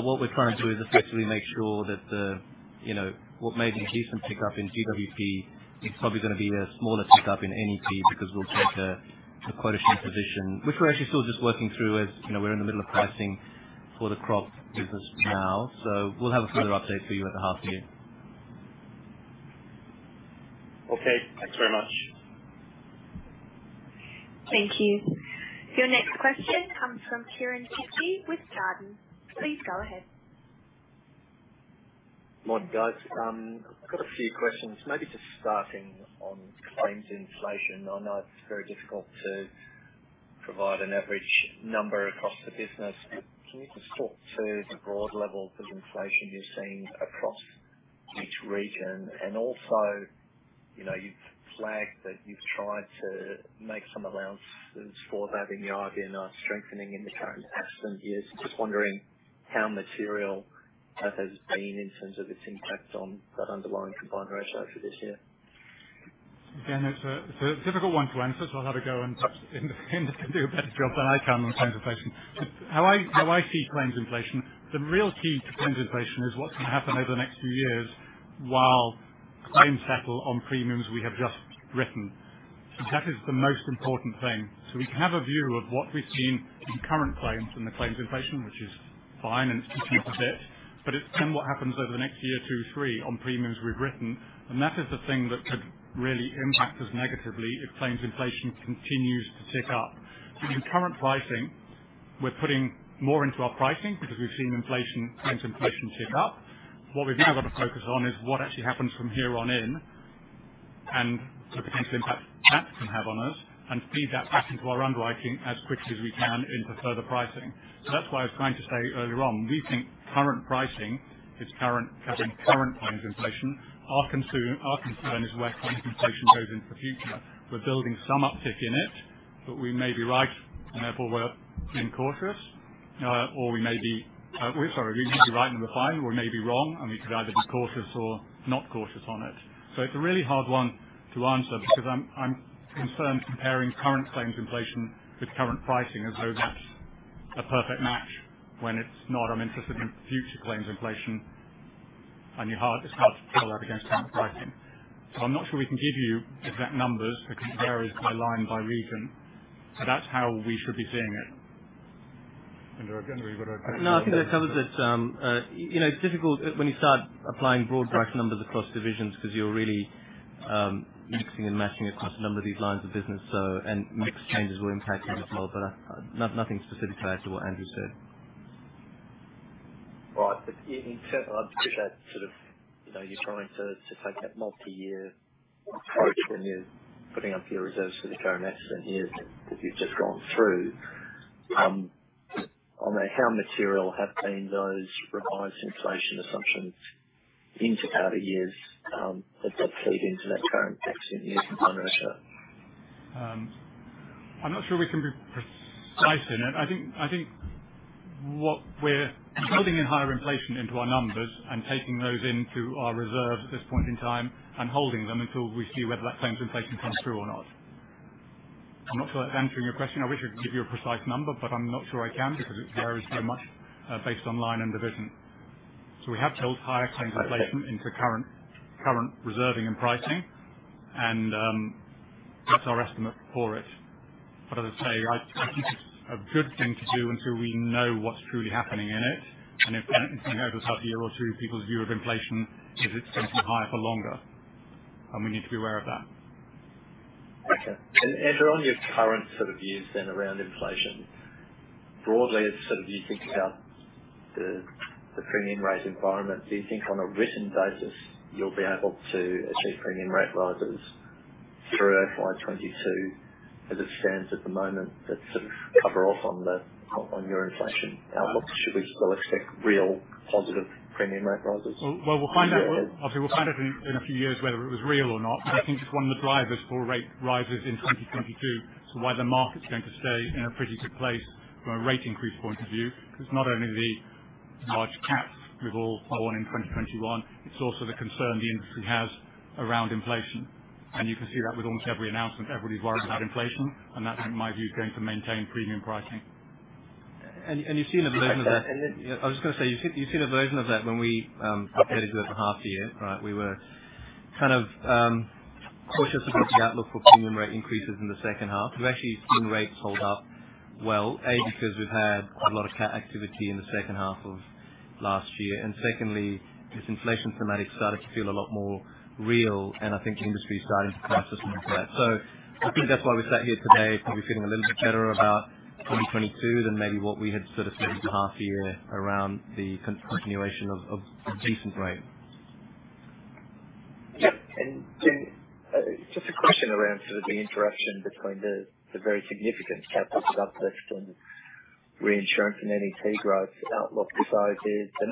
What we're trying to do is effectively make sure that, you know, what may be a decent pickup in GWP is probably gonna be a smaller pickup in NEP because we'll take a quota share position, which we're actually still just working through as, you know, we're in the middle of pricing for the crop business now. We'll have a further update for you at the half year. Okay. Thanks very much. Thank you. Your next question comes from Kieren Chidgey with Jarden. Please go ahead. Morning, guys. I've got a few questions, maybe just starting on claims inflation. I know it's very difficult to provide an average number across the business. Can you just talk to the broad level of inflation you're seeing across each region? Also, you know, you've flagged that you've tried to make some allowances for that in the IBNR strengthening in the current accident years. Just wondering how material that has been in terms of its impact on that underlying combined ratio for this year. Again, it's a difficult one to answer, so I'll have a go and trust Inder can do a better job than I can on claims inflation. How I see claims inflation, the real key to claims inflation is what can happen over the next few years while claims settle on premiums we have just written. That is the most important thing. We can have a view of what we've seen in current claims and the claims inflation, which is fine, and it's ticking up a bit. But it's then what happens over the next year, two, three on premiums we've written, and that is the thing that could really impact us negatively if claims inflation continues to tick up. In current pricing, we're putting more into our pricing because we've seen inflation, claims inflation tick up. What we've now got to focus on is what actually happens from here on in and the potential impact that can have on us and feed that back into our underwriting as quickly as we can into further pricing. That's why I was trying to say earlier on, we think current pricing is current, covering current claims inflation. Our concern is where claims inflation goes into the future. We're building some uptick in it, but we may be right, and therefore, we're being cautious. Or we may be right and we're fine, or we may be wrong, and we could either be cautious or not cautious on it. It's a really hard one to answer because I'm concerned comparing current claims inflation with current pricing as though that's a perfect match when it's not. I'm interested in future claims inflation, and it's hard to pull out against current pricing. I'm not sure we can give you exact numbers because it varies by line, by region, but that's how we should be seeing it. Inder, again, have you got? No, I think that covers it. You know, it's difficult when you start applying broad brush numbers across divisions because you're really mixing and matching across a number of these lines of business. Mix changes will impact as well, but nothing specifically to add to what Andrew said. Right. In terms of that, sort of, you know, you're trying to take that multi-year approach, and you're putting up your reserves for the current accident years that you've just gone through. I mean, how material have been those revised inflation assumptions into outer years, that feed into that current accident year combined ratio? I'm not sure we can be precise in it. I think what we're building in higher inflation into our numbers and taking those into our reserves at this point in time and holding them until we see whether that claims inflation comes through or not. I'm not sure that's answering your question. I wish I could give you a precise number, but I'm not sure I can because it varies so much, based on line and division. We have built higher claims inflation into current reserving and pricing, and that's our estimate for it. As I say, I think it's a good thing to do until we know what's truly happening in it. If anything over the past year or two, people's view of inflation is it's going to be higher for longer, and we need to be aware of that. Okay. Andrew, on your current sort of views then around inflation, broadly, as sort of you think about the premium rate environment, do you think on a written basis you'll be able to achieve premium rate rises through FY 2022 as it stands at the moment, that sort of cover off on the, on your inflation outlook? Should we still expect real positive premium rate rises? Well, we'll find out. Obviously, we'll find out in a few years whether it was real or not. I think it's one of the drivers for rate rises in 2022. Why the market's going to stay in a pretty good place from a rate increase point of view, because not only the large cats we've all had in 2021, it's also the concern the industry has around inflation. You can see that with almost every announcement. Everybody's worried about inflation, and that, in my view, is going to maintain premium pricing. You've seen a version of that. I was gonna say, you've seen a version of that when we updated you at the half year, right? We were kind of cautious about the outlook for premium rate increases in the second half. We've actually seen rates hold up well because we've had a lot of cat activity in the second half of last year. Secondly, this inflation thematic started to feel a lot more real, and I think the industry is starting to price in some into that. I think that's why we sat here today probably feeling a little bit better about 2022 than maybe what we had sort of said at the half year around the continuation of decent rates. Yeah, just a question around sort of the interaction between the very significant capital surplus and reinsurance and NEP growth outlook besides it. The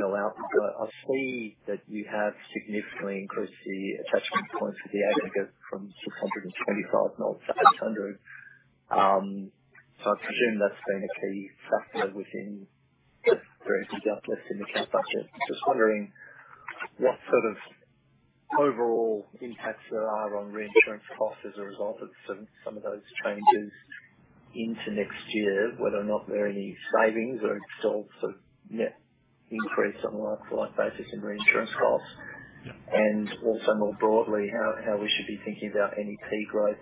$962 million output, I see that you have significantly increased the attachment points for the aggregate from $625 million to $800 million. So I presume that's been a key factor within the very big uplift in the cat budget. Just wondering what sort of overall impacts there are on reinsurance costs as a result of some of those changes into next year, whether or not there are any savings or it's still sort of net increase on a like-to-like basis in reinsurance costs. More broadly, how we should be thinking about NEP growth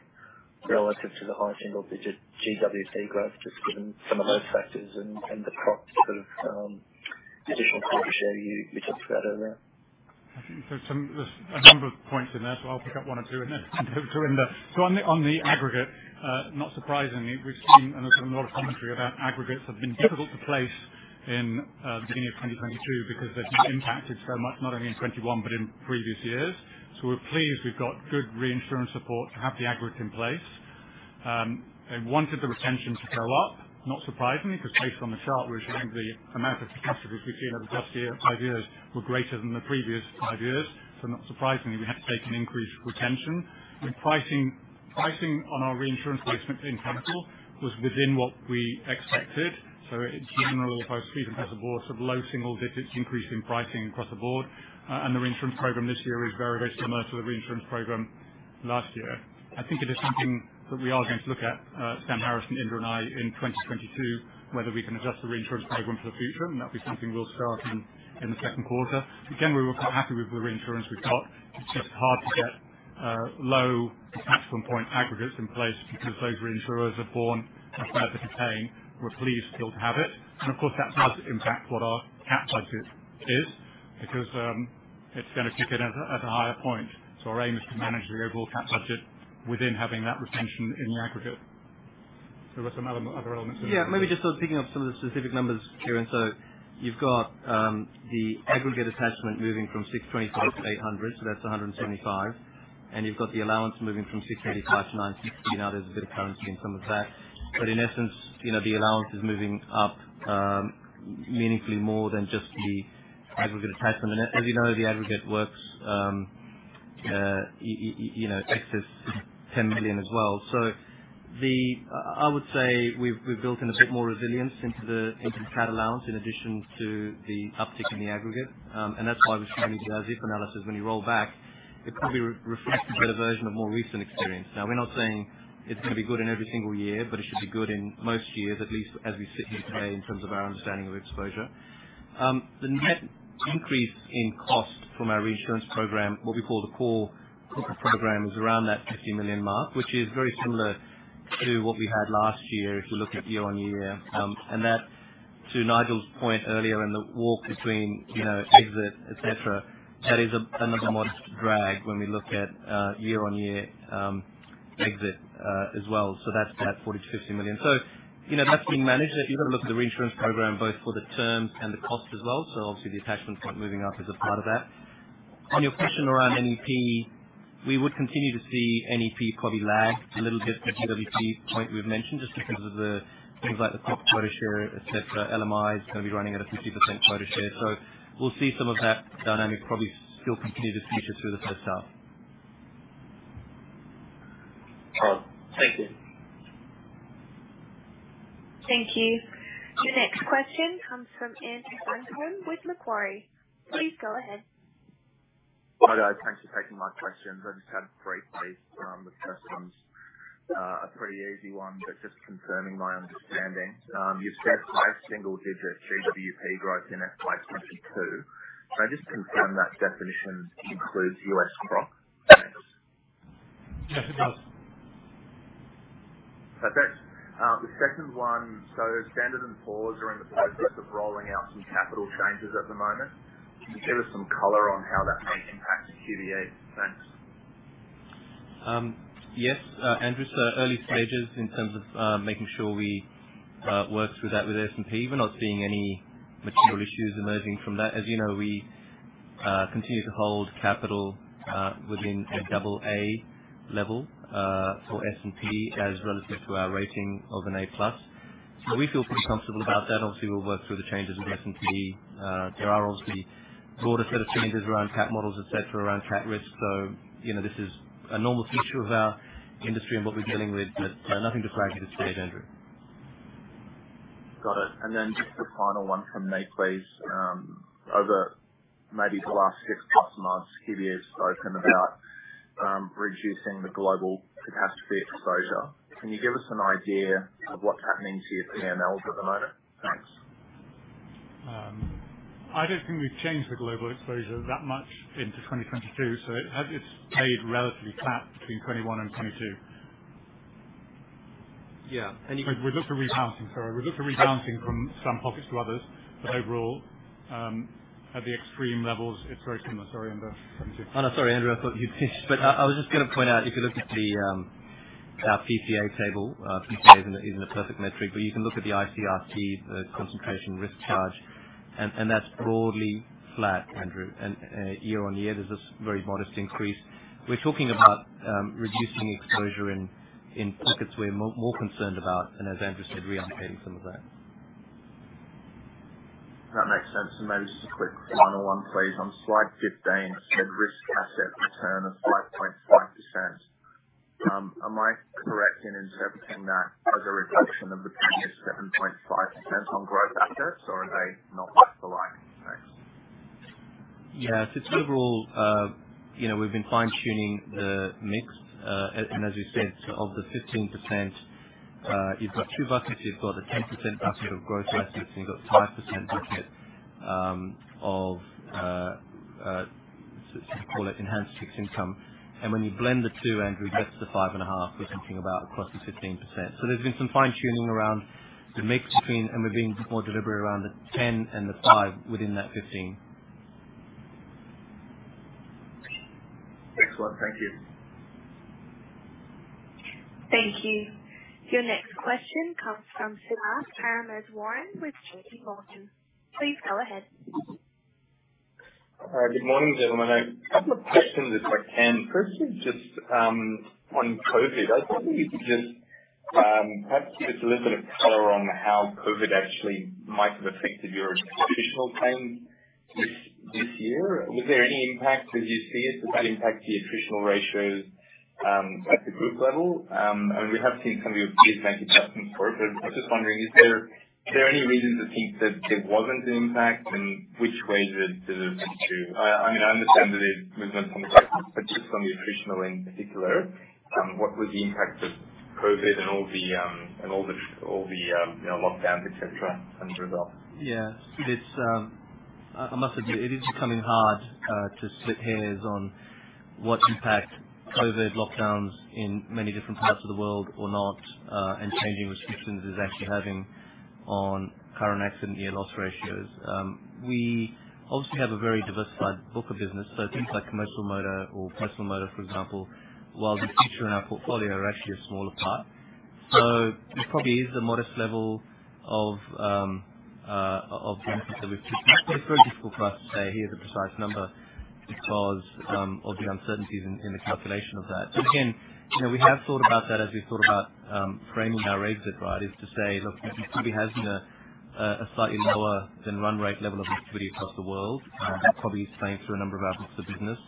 relative to the high single digit GWP growth, just given some of those factors and the sort of additional property share you talked about earlier. I think there's a number of points in there, so I'll pick up one or two, and then to Inder. On the aggregate, not surprisingly, we've seen, and there's been a lot of commentary about aggregates have been difficult to place in the beginning of 2022, because they've not impacted so much, not only in 2021, but in previous years. We're pleased we've got good reinsurance support to have the aggregates in place. They wanted the retention to go up, not surprisingly, because based on the chart we're showing, the amount of catastrophes we've seen over the past five years were greater than the previous five years. Not surprisingly, we had to take an increased retention. The pricing on our reinsurance placement in total was within what we expected. It's given all of our cedants across the board sort of low single digits increase in pricing across the board. The reinsurance program this year is very, very similar to the reinsurance program last year. I think it is something that we are going to look at, Sam Harrison and Inder and I in 2022, whether we can adjust the reinsurance program for the future. That'll be something we'll start in the second quarter. Again, we were quite happy with the reinsurance we got. It's just hard to get low attachment point aggregates in place because those reinsurers are becoming much better to retain. We're pleased still to have it. Of course, that does impact what our cat budget is because it's gonna kick in at a higher point. Our aim is to manage the overall cat budget within having that retention in the aggregate. There were some other elements. Yeah, maybe just on picking up some of the specific numbers, Kieren. You've got the aggregate attachment moving from $625 to $800, so that's $175. You've got the allowance moving from $685 to $960. Now, there's a bit of currency in some of that. In essence, you know, the allowance is moving up meaningfully more than just the aggregate attachment. As you know, the aggregate works, you know, excess $10 million as well. The I would say we've built in a bit more resilience into the cat allowance in addition to the uptick in the aggregate. That's why we're showing you the as if analysis. When you roll back, it probably reflects a better version of more recent experience. Now, we're not saying it's gonna be good in every single year, but it should be good in most years, at least as we sit here today in terms of our understanding of exposure. The net increase in cost from our reinsurance program, what we call the core cover program, is around that $50 million mark, which is very similar to what we had last year if you look at year-over-year. And that, to Nigel's point earlier in the walk between, you know, exit, et cetera, that is another modest drag when we look at year-over-year exit as well. That's that $40 million-$50 million. You know, that's being managed. You've got to look at the reinsurance program both for the terms and the cost as well. Obviously the attachment point moving up is a part of that. On your question around NEP, we would continue to see NEP probably lag a little bit for GWP point we've mentioned, just because of the things like the crop quota share, et cetera. LMI is gonna be running at a 50% quota share. We'll see some of that dynamic probably still continue to feature through the first half. Thank you. Thank you. The next question comes from Andrew Buncombe with Macquarie. Please go ahead. Hi, guys. Thanks for taking my questions. I just had three please. The first one's a pretty easy one, but just confirming my understanding. You've said high single digit GWP growth in FY 2022. Can I just confirm that definition includes U.S. crop? Thanks. Yes, it does. Perfect. The second one, Standard and Poor's are in the process of rolling out some capital changes at the moment. Can you give us some color on how that may impact QBE? Thanks. Yes, Andrew. Early stages in terms of making sure we work through that with S&P. We're not seeing any material issues emerging from that. As you know, we continue to hold capital within a double-A level for S&P as relative to our rating of an A+. We feel pretty comfortable about that. Obviously, we'll work through the changes with S&P. There are obviously broader set of changes around cat models, et cetera, around cat risk. You know, this is a normal feature of our industry and what we're dealing with, but nothing to flag just yet, Andrew. Got it. Just a final one from me, please. Over maybe the last six plus months, QBE has spoken about reducing the global catastrophe exposure. Can you give us an idea of what's happening to your P&Ls at the moment? Thanks. I don't think we've changed the global exposure that much into 2022, so it's stayed relatively flat between 2021 and 2022. Yeah. We've looked at rebalancing. Sorry. We've looked at rebalancing from some pockets to others, but overall, at the extreme levels, it's very similar. Sorry, Inder. Come to you. Oh, no. Sorry, Andrew. I thought you finished. I was just gonna point out, if you look at our PPA table, PPA isn't a perfect metric, but you can look at the ICRT, the concentration risk charge, and that's broadly flat, Andrew. Year-on-year, there's this very modest increase. We're talking about reducing exposure in pockets we're more concerned about, and as Andrew said, reallocating some of that. That makes sense. Maybe just a quick final one, please. On slide 15, you said risk asset return of 5.5%. Am I correct in interpreting that as a reduction of the previous 7.5% on growth assets, or are they not quite aligning? Thanks. Yeah. Overall, you know, we've been fine-tuning the mix, and as we've said, of the 15%, you've got two buckets. You've got a 10% bucket of growth assets, and you've got 5% bucket, so call it enhanced fixed income. When you blend the two, Andrew, that's the 5.5 we're talking about across the 15%. There's been some fine-tuning around the mix between, and we're being more deliberate around the 10 and the 5 within that 15. Excellent. Thank you. Thank you. Your next question comes from Siddharth Parameswaran with J.P. Morgan. Please go ahead. Hi. Good morning gentlemen. I have a couple of questions that [just on COVID. I was wondering if you could just perhaps give a little bit of color on how COVID actually might affected this year. Was there an impact? Did you see it? Does it impact your fiscal ratio at a group level? I was wondering, is there reason to think that it wasn’t impact and which way does I mean, in particular? What was the impact of COVID and all the lockdown, etcetera. Yeah. It's, I must admit, it is becoming hard to split hairs on what impact COVID-19 lockdowns in many different parts of the world or not, and changing restrictions is actually having on current accident year loss ratios. We obviously have a very diversified book of business, so things like commercial motor or personal motor, for example, while they feature in our portfolio, are actually a smaller part. There probably is a modest level of benefits that we've took. It's very difficult for us to say, "Here's a precise number," because of the uncertainties in the calculation of that. Again, you know, we have thought about that as we've thought about framing our exit rate is to say, "Look, we probably has a slightly lower than run rate level of activity across the world. Probably the same through a number of our books of business.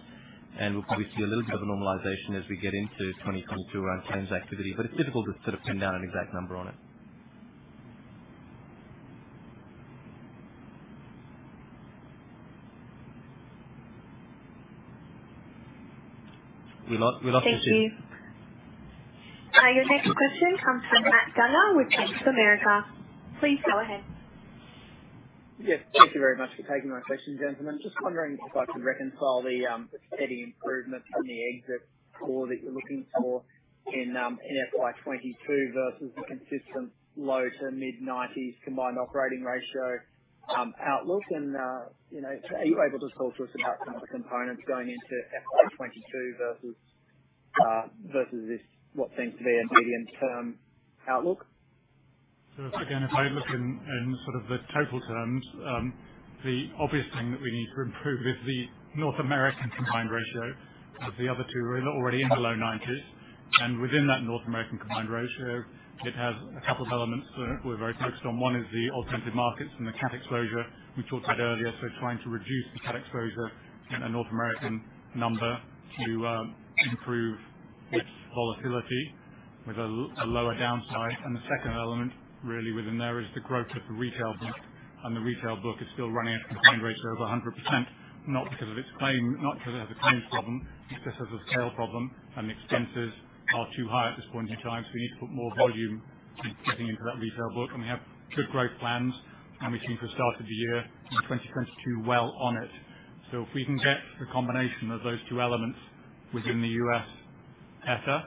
We'll probably see a little bit of a normalization as we get into 2022 around claims activity. It's difficult to sort of pin down an exact number on it. We lost you. Thank you. Your next question comes from Matt Dunger with Bank of America. Please go ahead. Yes, thank you very much for taking my question, gentlemen. Just wondering if I could reconcile the steady improvements in the exit COR that you're looking for in FY 2022 versus the consistent low- to mid-90s combined operating ratio outlook. You know, are you able to talk to us about some of the components going into FY 2022 versus this what seems to be a medium-term outlook? Again, if I look in sort of the total terms, the obvious thing that we need to improve is the North American combined ratio, as the other two are already in the low 90s. Within that North American combined ratio, it has a couple of elements that we're very focused on. One is the Alternative Markets and the cat exposure we talked about earlier, so trying to reduce the cat exposure in a North American number to improve its volatility with a lower downside. The second element really within there is the growth of the retail book. The retail book is still running at a combined ratio of 100%, not because of its claim, not because it has a claims problem, just has a scale problem. The expenses are too high at this point in time. We need to put more volume getting into that retail book. We have good growth plans, and we think we've started the year in 2022 well on it. If we can get the combination of those two elements within the U.S. better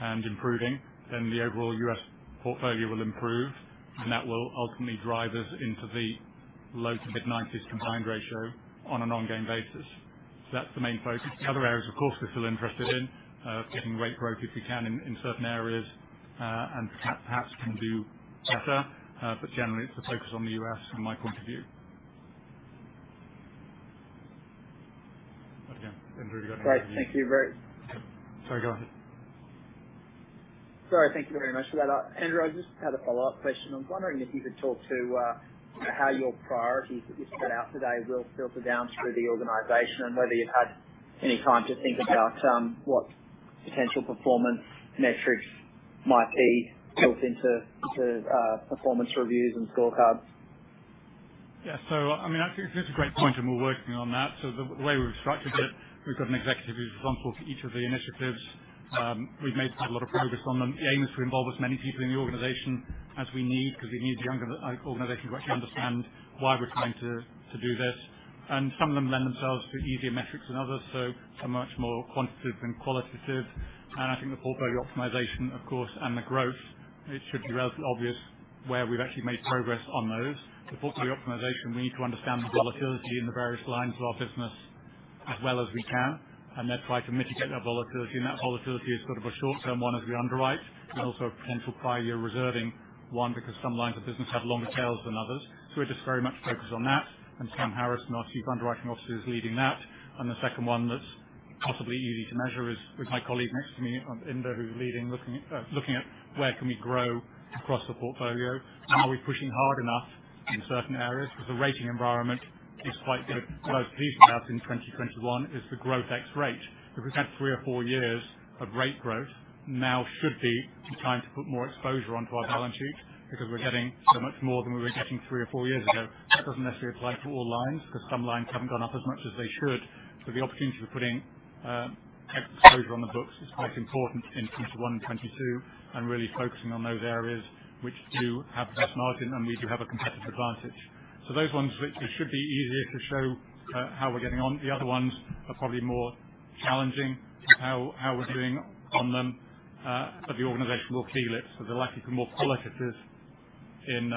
and improving, then the overall U.S. portfolio will improve, and that will ultimately drive us into the low- to mid-90s combined ratio on an ongoing basis. That's the main focus. The other areas, of course, we're still interested in getting rate growth if we can in certain areas, and perhaps can do better. Generally it's the focus on the U.S. from my point of view. Again, Inder, you got- Great. Thank you. Sorry, go ahead. Sorry, thank you very much for that. Andrew, I just had a follow-up question. I'm wondering if you could talk to how your priorities that you set out today will filter down through the organization and whether you've had any time to think about what potential performance metrics might be built into performance reviews and scorecards. I mean, I think it's a great point, and we're working on that. The way we've structured it, we've got an executive responsible for each of the initiatives. We've made a lot of progress on them. The aim is to involve as many people in the organization as we need, because we need the younger organization to actually understand why we're trying to do this. Some of them lend themselves to easier metrics than others, so they are much more quantitative than qualitative. I think the portfolio optimization, of course, and the growth, it should be relatively obvious where we've actually made progress on those. The portfolio optimization, we need to understand the volatility in the various lines of our business as well as we can, and then try to mitigate that volatility. That volatility is sort of a short term one as we underwrite, but also a potential five-year reserving one because some lines of business have longer tails than others. We're just very much focused on that. Sam Harrison, our Chief Underwriting Officer, is leading that. The second one that's possibly easy to measure is my colleague next to me, Inder, who's leading looking at where can we grow across the portfolio and are we pushing hard enough in certain areas. Because the rating environment is quite good. What I was teasing out in 2021 is the growth ex rate. If we've had three or four years of rate growth, now should be the time to put more exposure onto our balance sheet because we're getting so much more than we were getting three or four years ago. That doesn't necessarily apply to all lines, because some lines haven't gone up as much as they should. The opportunity for putting excess exposure on the books is quite important in 2021, 2022, and really focusing on those areas which do have the best margin and we do have a competitive advantage. Those ones which it should be easier to show how we're getting on. The other ones are probably more challenging how we're doing on them, but the organization will key it. The latter more qualitative In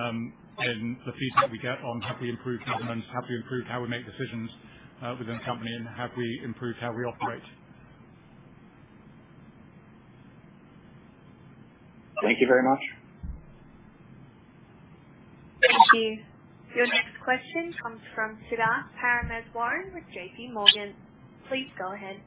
the feedback we get on have we improved governance, have we improved how we make decisions within the company and have we improved how we operate. Thank you very much. Thank you. Your next question comes from Siddharth Parameswaran with J.P. Morgan. Please go ahead.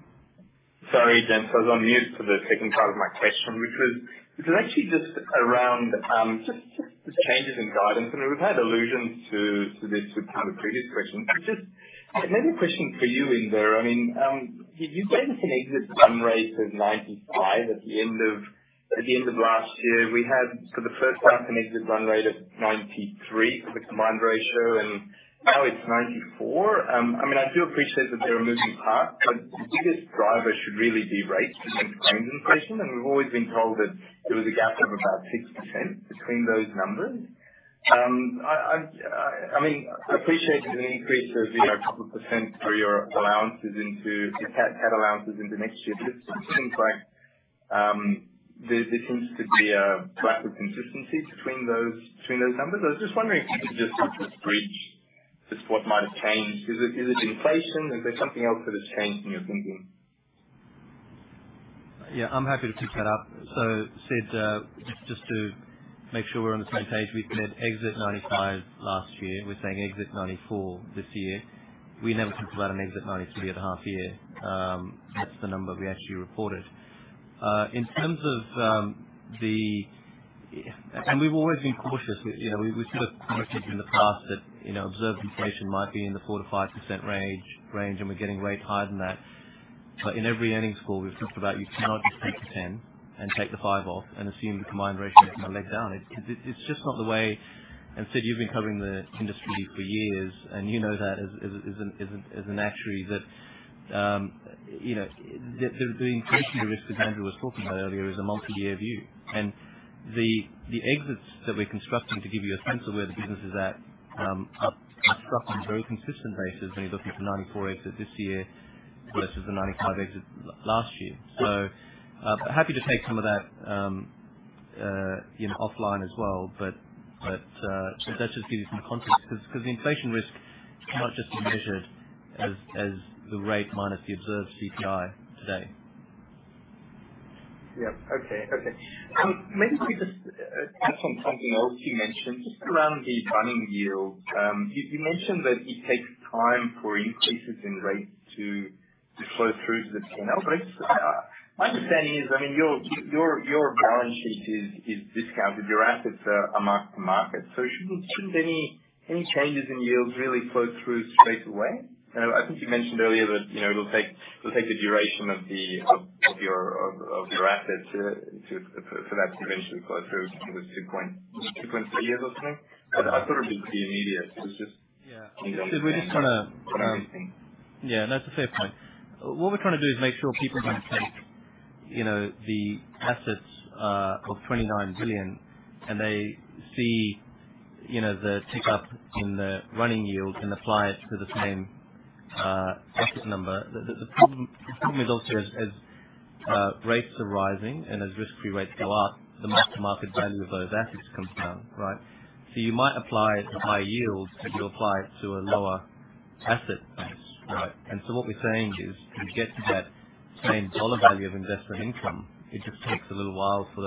Sorry, gents. I was on mute for the second part of my question, which was actually just around the changes in guidance. I mean, we've had allusions to this with kind of previous questions. Just maybe a question for you, Inder. I mean, you gave us an exit run rate of 95% at the end of last year. We had for the first half an exit run rate of 93% for the combined ratio, and now it's 94%. I mean, I do appreciate that they are moving parts, but the biggest driver should really be rates against claims inflation, and we've always been told that there was a gap of about 6% between those numbers. I mean, I appreciate there's an increase of, you know, a couple percent for your cat allowances into next year, but it just seems like there seems to be a lack of consistency between those numbers. I was just wondering if you could just sort of break down what might have changed. Is it inflation? Is there something else that has changed in your thinking? Yeah, I'm happy to pick that up. Sid, just to make sure we're on the same page. We said exit 95% last year. We're saying exit 94% this year. We never talked about an exit 93% at the half year. That's the number we actually reported. We've always been cautious. You know, we sort of commented in the past that, you know, observed inflation might be in the 4%-5% range, and we're getting rates higher than that. In every earnings call we've talked about, you cannot just take the 10 and take the five off and assume the combined ratio is gonna leg down. It's just not the way. Sid, you've been covering the industry for years, and you know that as an actuary that you know the inflation, the risk that Andrew was talking about earlier is a multi-year view. The exits that we're constructing to give you a sense of where the business is at are constructed on a very consistent basis when you're looking at the 94% exit this year versus the 95% exit last year. Happy to take some of that you know offline as well, but that's just to give you some context because the inflation risk can't just be measured as the rate minus the observed CPI today. Yeah. Okay. Okay. Maybe can we just touch on something else you mentioned just around the running yield. You mentioned that it takes time for increases in rates to flow through to the P&L, but my understanding is, I mean, your balance sheet is discounted. Your assets are mark to market. Shouldn't any changes in yields really flow through straight away? You know, I think you mentioned earlier that, you know, it'll take the duration of your assets for that to eventually flow through. It was 2.3 years or something. But I thought it would be pretty immediate. It's just- We're just trying to. Yeah, no, it's a fair point. What we're trying to do is make sure people don't take, you know, the assets of $29 billion, and they see, you know, the tick up in the running yield and apply it to the same asset number. The problem is also as rates are rising and as risk-free rates go up, the mark to market value of those assets comes down, right? You might apply a higher yield, but you apply it to a lower asset base, right? What we're saying is, you get to that same dollar value of investment income. It just takes a little while for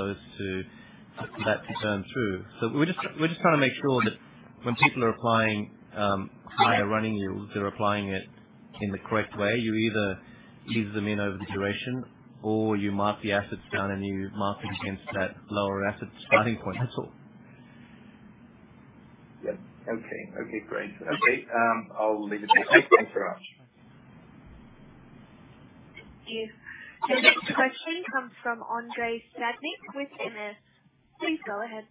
that to turn through. We're just trying to make sure that when people are applying higher running yields, they're applying it in the correct way. You either ease them in over the duration, or you mark the assets down and you mark it against that lower asset starting point. That's all. Yeah. Okay. Okay, great. Okay. I'll leave it there. Thanks very much. Thank you. The next question comes from Andrei Stadnik with MS. Please go ahead.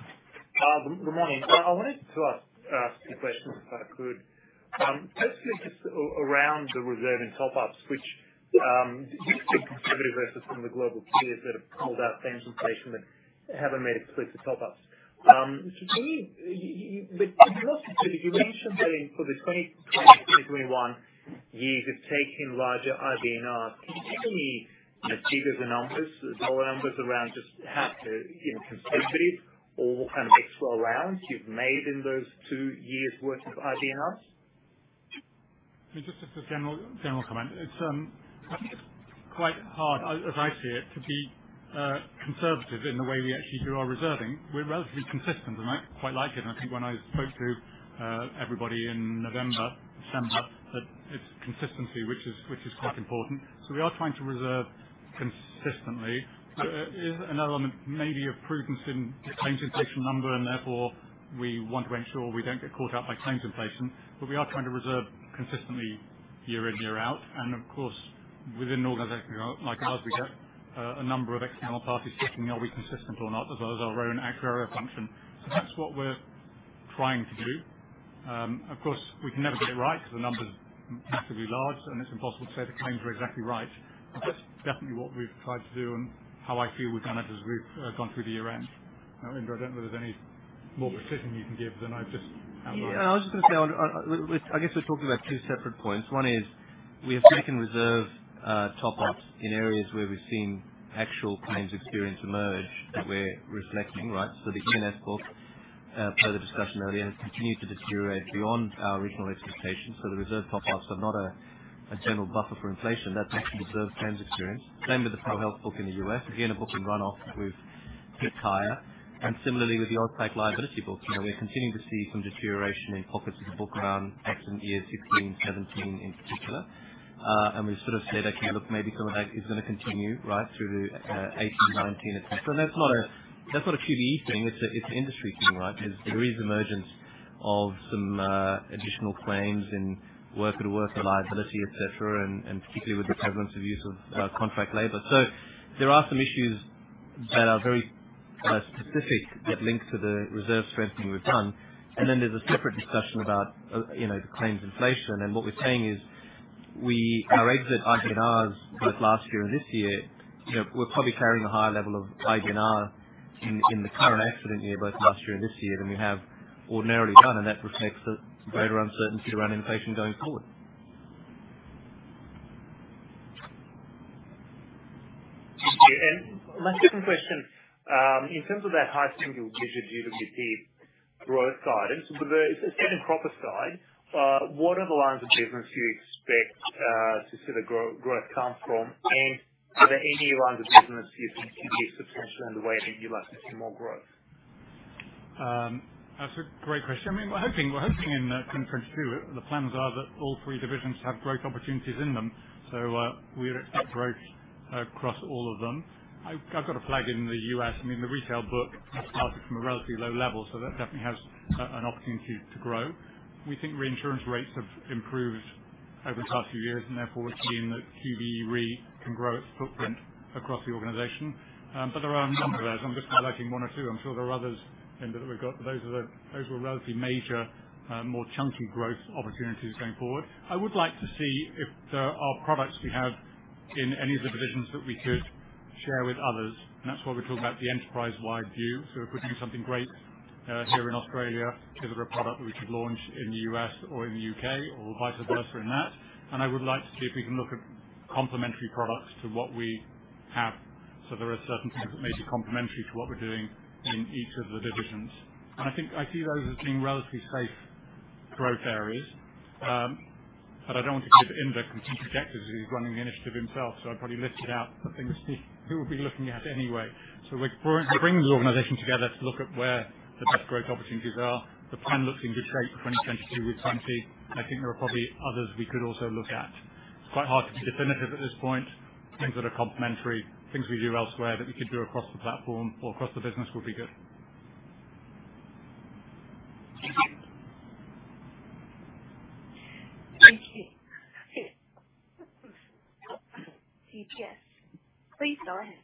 Good morning. I wanted to ask two questions, if I could. Firstly, just around the reserve and top ups, which you've been conservative versus some of the global peers that have called out claims inflation but haven't made explicit top ups. Can you walk us through? You mentioned that for the 2020 to 2021 years, you've taken larger IBNR. Can you give me the figures and numbers, dollar numbers around just how, you know, conservative or what kind of mix or allowance you've made in those two years for IBNR? Just a general comment. I think it's quite hard as I see it to be conservative in the way we actually do our reserving. We're relatively consistent, and I quite like it, and I think when I spoke to everybody in November, December, that it's consistency which is quite important. We are trying to reserve consistently. There is an element maybe of prudence in claims inflation number, and therefore we want to ensure we don't get caught out by claims inflation. We are trying to reserve consistently year in, year out. Of course, within an organization like ours, we get a number of external parties checking are we consistent or not, as well as our own actuarial function. That's what we're trying to do. Of course, we can never get it right because the numbers are massively large, and it's impossible to say the claims were exactly right. That's definitely what we've tried to do and how I feel we've done it as we've gone through the year end. Now, Inder, I don't know if there's any more precision you can give than I've just outlined. I was just gonna say, I guess we're talking about two separate points. One is. We have taken reserve top ups in areas where we've seen actual claims experience emerge that we're reflecting, right. The E&S book, part of the discussion earlier, has continued to deteriorate beyond our original expectations. The reserve top ups are not a general buffer for inflation. That's actually reserved claims experience. Same with the ProHealth book in the U.S. Again, a book in runoff that we've kept higher, and similarly with the Aus long tail liability book. You know, we're continuing to see some deterioration in pockets of the book around accident year 2016, 2017 in particular. We've sort of said, "Okay, look, maybe some of that is gonna continue right through to 2018, 2019." That's not a QBE thing. It's an industry thing, right? Because there is emergence of some additional claims in worker-to-worker liability, et cetera, and particularly with the prevalence of use of contract labor. There are some issues that are very specific that link to the reserve strengthening we've done. Then there's a separate discussion about, you know, the claims inflation. What we're saying is our exit IBNRs, both last year and this year, you know, we're probably carrying a higher level of IBNR in the current accident year, both last year and this year, than we have ordinarily done. That reflects the greater uncertainty around inflation going forward. Thank you. My second question, in terms of that high single-digit GWP growth guidance, especially on the crop side, what are the lines of business you expect to see the growth come from? Are there any lines of business you think could be a potential in the way that you'd like to see more growth? That's a great question. I mean, we're hoping in 2022, the plans are that all three divisions have growth opportunities in them. We're targeting growth across all of them. I've got a flag in the U.S. I mean, the retail book is starting from a relatively low level, so that definitely has an opportunity to grow. We think reinsurance rates have improved over the past few years, and therefore we've seen that QBE Re can grow its footprint across the organization. There are a number of those. I'm just highlighting one or two. I'm sure there are others that we've got. Those were relatively major, more chunky growth opportunities going forward. I would like to see if there are products we have in any of the divisions that we could share with others, and that's why we talk about the enterprise-wide view. If we're doing something great here in Australia, is there a product we should launch in the U.S. or in the U.K. or vice versa in that? I would like to see if we can look at complementary products to what we have. There are certain things that may be complementary to what we're doing in each of the divisions. I think I see those as being relatively safe growth areas. I don't want to give Inder complete objectives because he's running the initiative himself, so I'd probably lifted out the things he would be looking at anyway. We're bringing the organization together to look at where the best growth opportunities are. The plan looks in good shape for 2022 with 20. I think there are probably others we could also look at. It's quite hard to be definitive at this point. Things that are complementary, things we do elsewhere that we could do across the platform or across the business would be good. Thank you. Thank you. GS, please go ahead.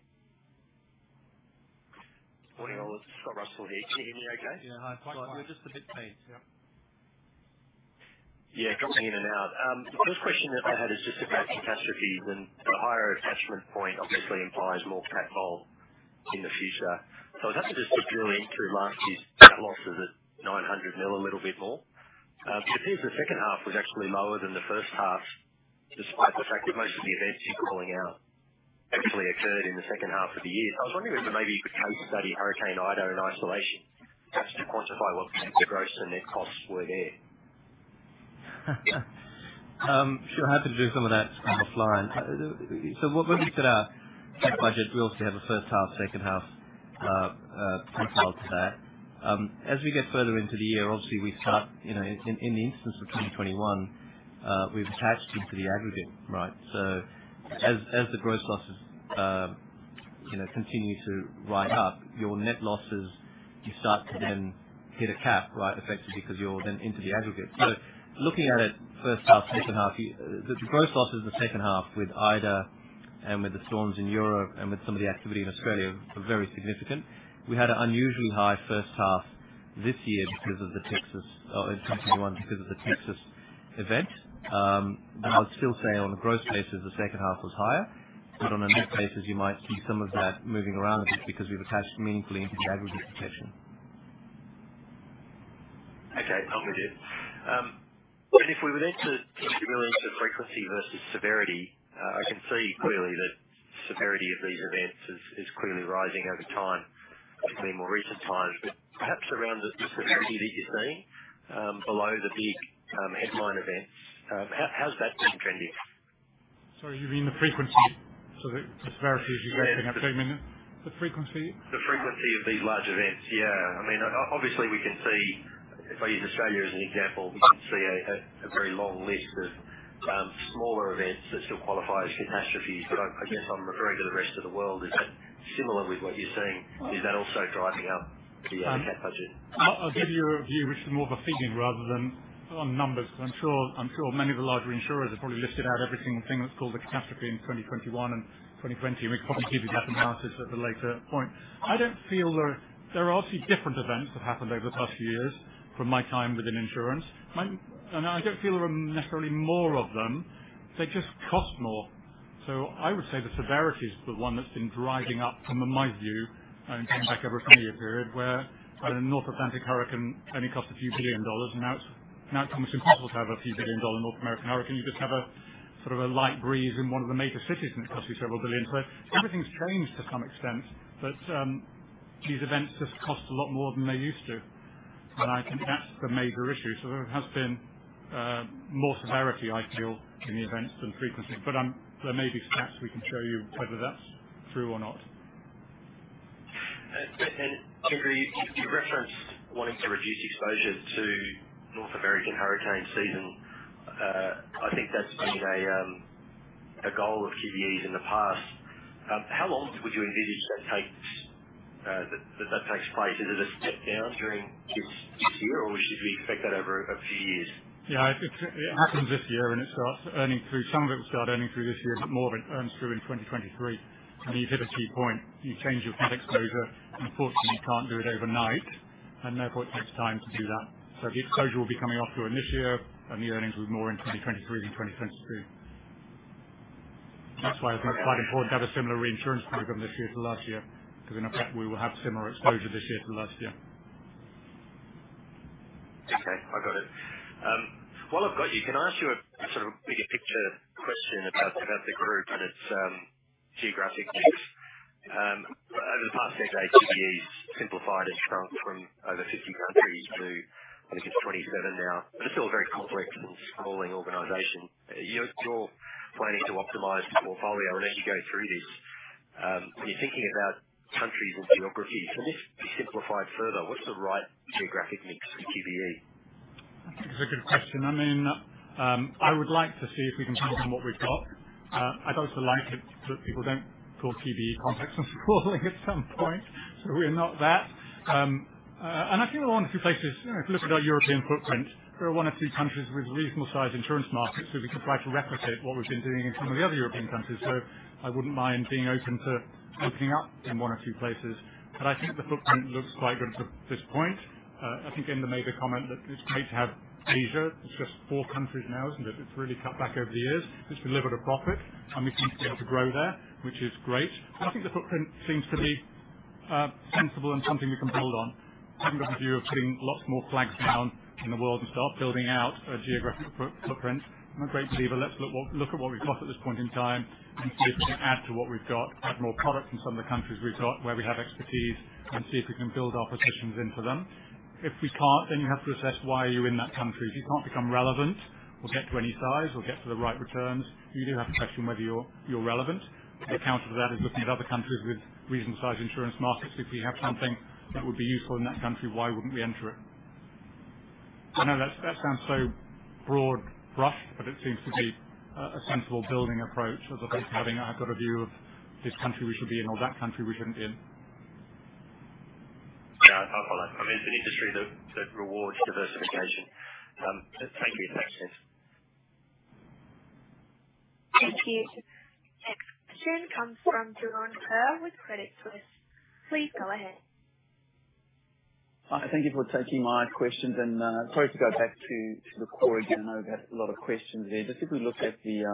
Morning all, it's Scott Russell here. Can you hear me okay? Yeah. Hi, Scott. You're just a bit faint. Yeah. The first question that I had is just about catastrophes and the higher attachment point obviously implies more cat hold in the future. I was happy just to drill into last year's cat losses at $900 million, a little bit more. It appears the second half was actually lower than the first half, despite the fact that most of the events you're calling out actually occurred in the second half of the year. I was wondering if maybe you could case study Hurricane Ida in isolation, perhaps to quantify what the gross and net costs were there. Sure. Happy to do some of that kind of offline. When we set our cat budget, we obviously have a first half, second half profile to that. As we get further into the year, obviously we start, you know, in the instance of 2021, we've attached into the aggregate, right? As the gross losses, you know, continue to write up, your net losses, you start to then hit a cap, right? Effectively because you're then into the aggregate. Looking at it first half, second half, the gross losses in the second half with Ida and with the storms in Europe and with some of the activity in Australia were very significant. We had an unusually high first half this year because of the Texas event or in 2021, because of the Texas event. I would still say on the gross basis, the second half was higher. On a net basis you might see some of that moving around a bit because we've attached meaningfully into the aggregate protection. Okay. Copy, Jeff. If we were then to drill into frequency versus severity, I can see clearly that severity of these events is clearly rising over time, particularly in more recent times. Perhaps around the frequency that you're seeing, below the big headline events, how's that been trending? Sorry, you mean the frequency? Sorry, just clarify as you're wrapping up. Sorry. The frequency? The frequency of these large events, yeah. I mean, obviously we can see, if I use Australia as an example, we can see a very long list of smaller events that still qualify as catastrophes. I guess I'm referring to the rest of the world. Is that similar with what you're seeing? Is that also driving up the cat budget? I'll give you a view which is more of a feeling rather than on numbers, because I'm sure many of the larger insurers have probably listed out every single thing that's called a catastrophe in 2021 and 2020, and we can probably give you that analysis at a later point. I don't feel there are obviously different events that happened over the past few years from my time within insurance, and I don't feel there are necessarily more of them. They just cost more. I would say the severity is the one that's been driving up from my view and coming back over a 10-year period where a North Atlantic hurricane only cost a few billion dollars. Now it's almost impossible to have a few billion-dollar North American hurricane. You just have a sort of a light breeze in one of the major cities, and it costs you several billion. Everything's changed to some extent, but these events just cost a lot more than they used to. I think that's the major issue. There has been more severity, I feel, in the events than frequency. There may be stats we can show you whether that's true or not. Agree, you referenced wanting to reduce exposure to North American hurricane season. I think that's been a goal of QBE's in the past. How long would you envisage that takes place? Is it a step down during this year, or should we expect that over a few years? It happens this year, and it starts earning through. Some of it will start earning through this year, but more of it earns through in 2023. I mean, you've hit a key point. You change your net exposure. Unfortunately, you can't do it overnight, and therefore it takes time to do that. The exposure will be coming off during this year, and the earnings will be more in 2023 than 2022. That's why it's quite important to have a similar reinsurance program this year to last year, 'cause in effect, we will have similar exposure this year to last year. Okay, I got it. While I've got you, can I ask you a sort of bigger picture question about the group and its geographic mix? Over the past decade, QBE's simplified and shrunk from over 50 countries to, I think it's 27 now. It's still a very complex and sprawling organization. You're planning to optimize the portfolio. As you go through this, when you're thinking about countries and geographies, can this be simplified further? What's the right geographic mix for QBE? I think it's a good question. I mean, I would like to see if we can focus on what we've got. I'd also like it so that people don't call QBE complex and sprawling at some point. We're not that. I think there are one or two places, you know, if you look at our European footprint, there are one or two countries with reasonable sized insurance markets where we can try to replicate what we've been doing in some of the other European countries. I wouldn't mind being open to opening up in one or two places, but I think the footprint looks quite good to this point. I think Inder made a comment that it's great to have Asia. It's just four countries now, isn't it? It's really cut back over the years. It's delivered a profit, and we seem to be able to grow there, which is great. I think the footprint seems to be, sensible and something we can build on. I haven't got a view of putting lots more flags down in the world and start building out a geographic footprint. I'm a great believer, let's look at what we've got at this point in time and see if we can add to what we've got. Add more product in some of the countries we've got where we have expertise and see if we can build our positions into them. If we can't, then you have to assess why are you in that country. If you can't become relevant or get to any size or get to the right returns, you do have to question whether you're relevant. The counter to that is looking at other countries with reasonable sized insurance markets. If we have something that would be useful in that country, why wouldn't we enter it? I know that sounds so broad brush, but it seems to be a sensible building approach as opposed to having, "I've got a view of this country we should be in or that country we shouldn't be in. Yeah. I like that. I mean, it's an industry that rewards diversification. Thank you. Thanks, guys. Thank you. Next question comes from Kerr with Credit Suisse. Please go ahead. Hi, thank you for taking my questions. Sorry to go back to the core again. I know we've had a lot of questions there. Just if we look at the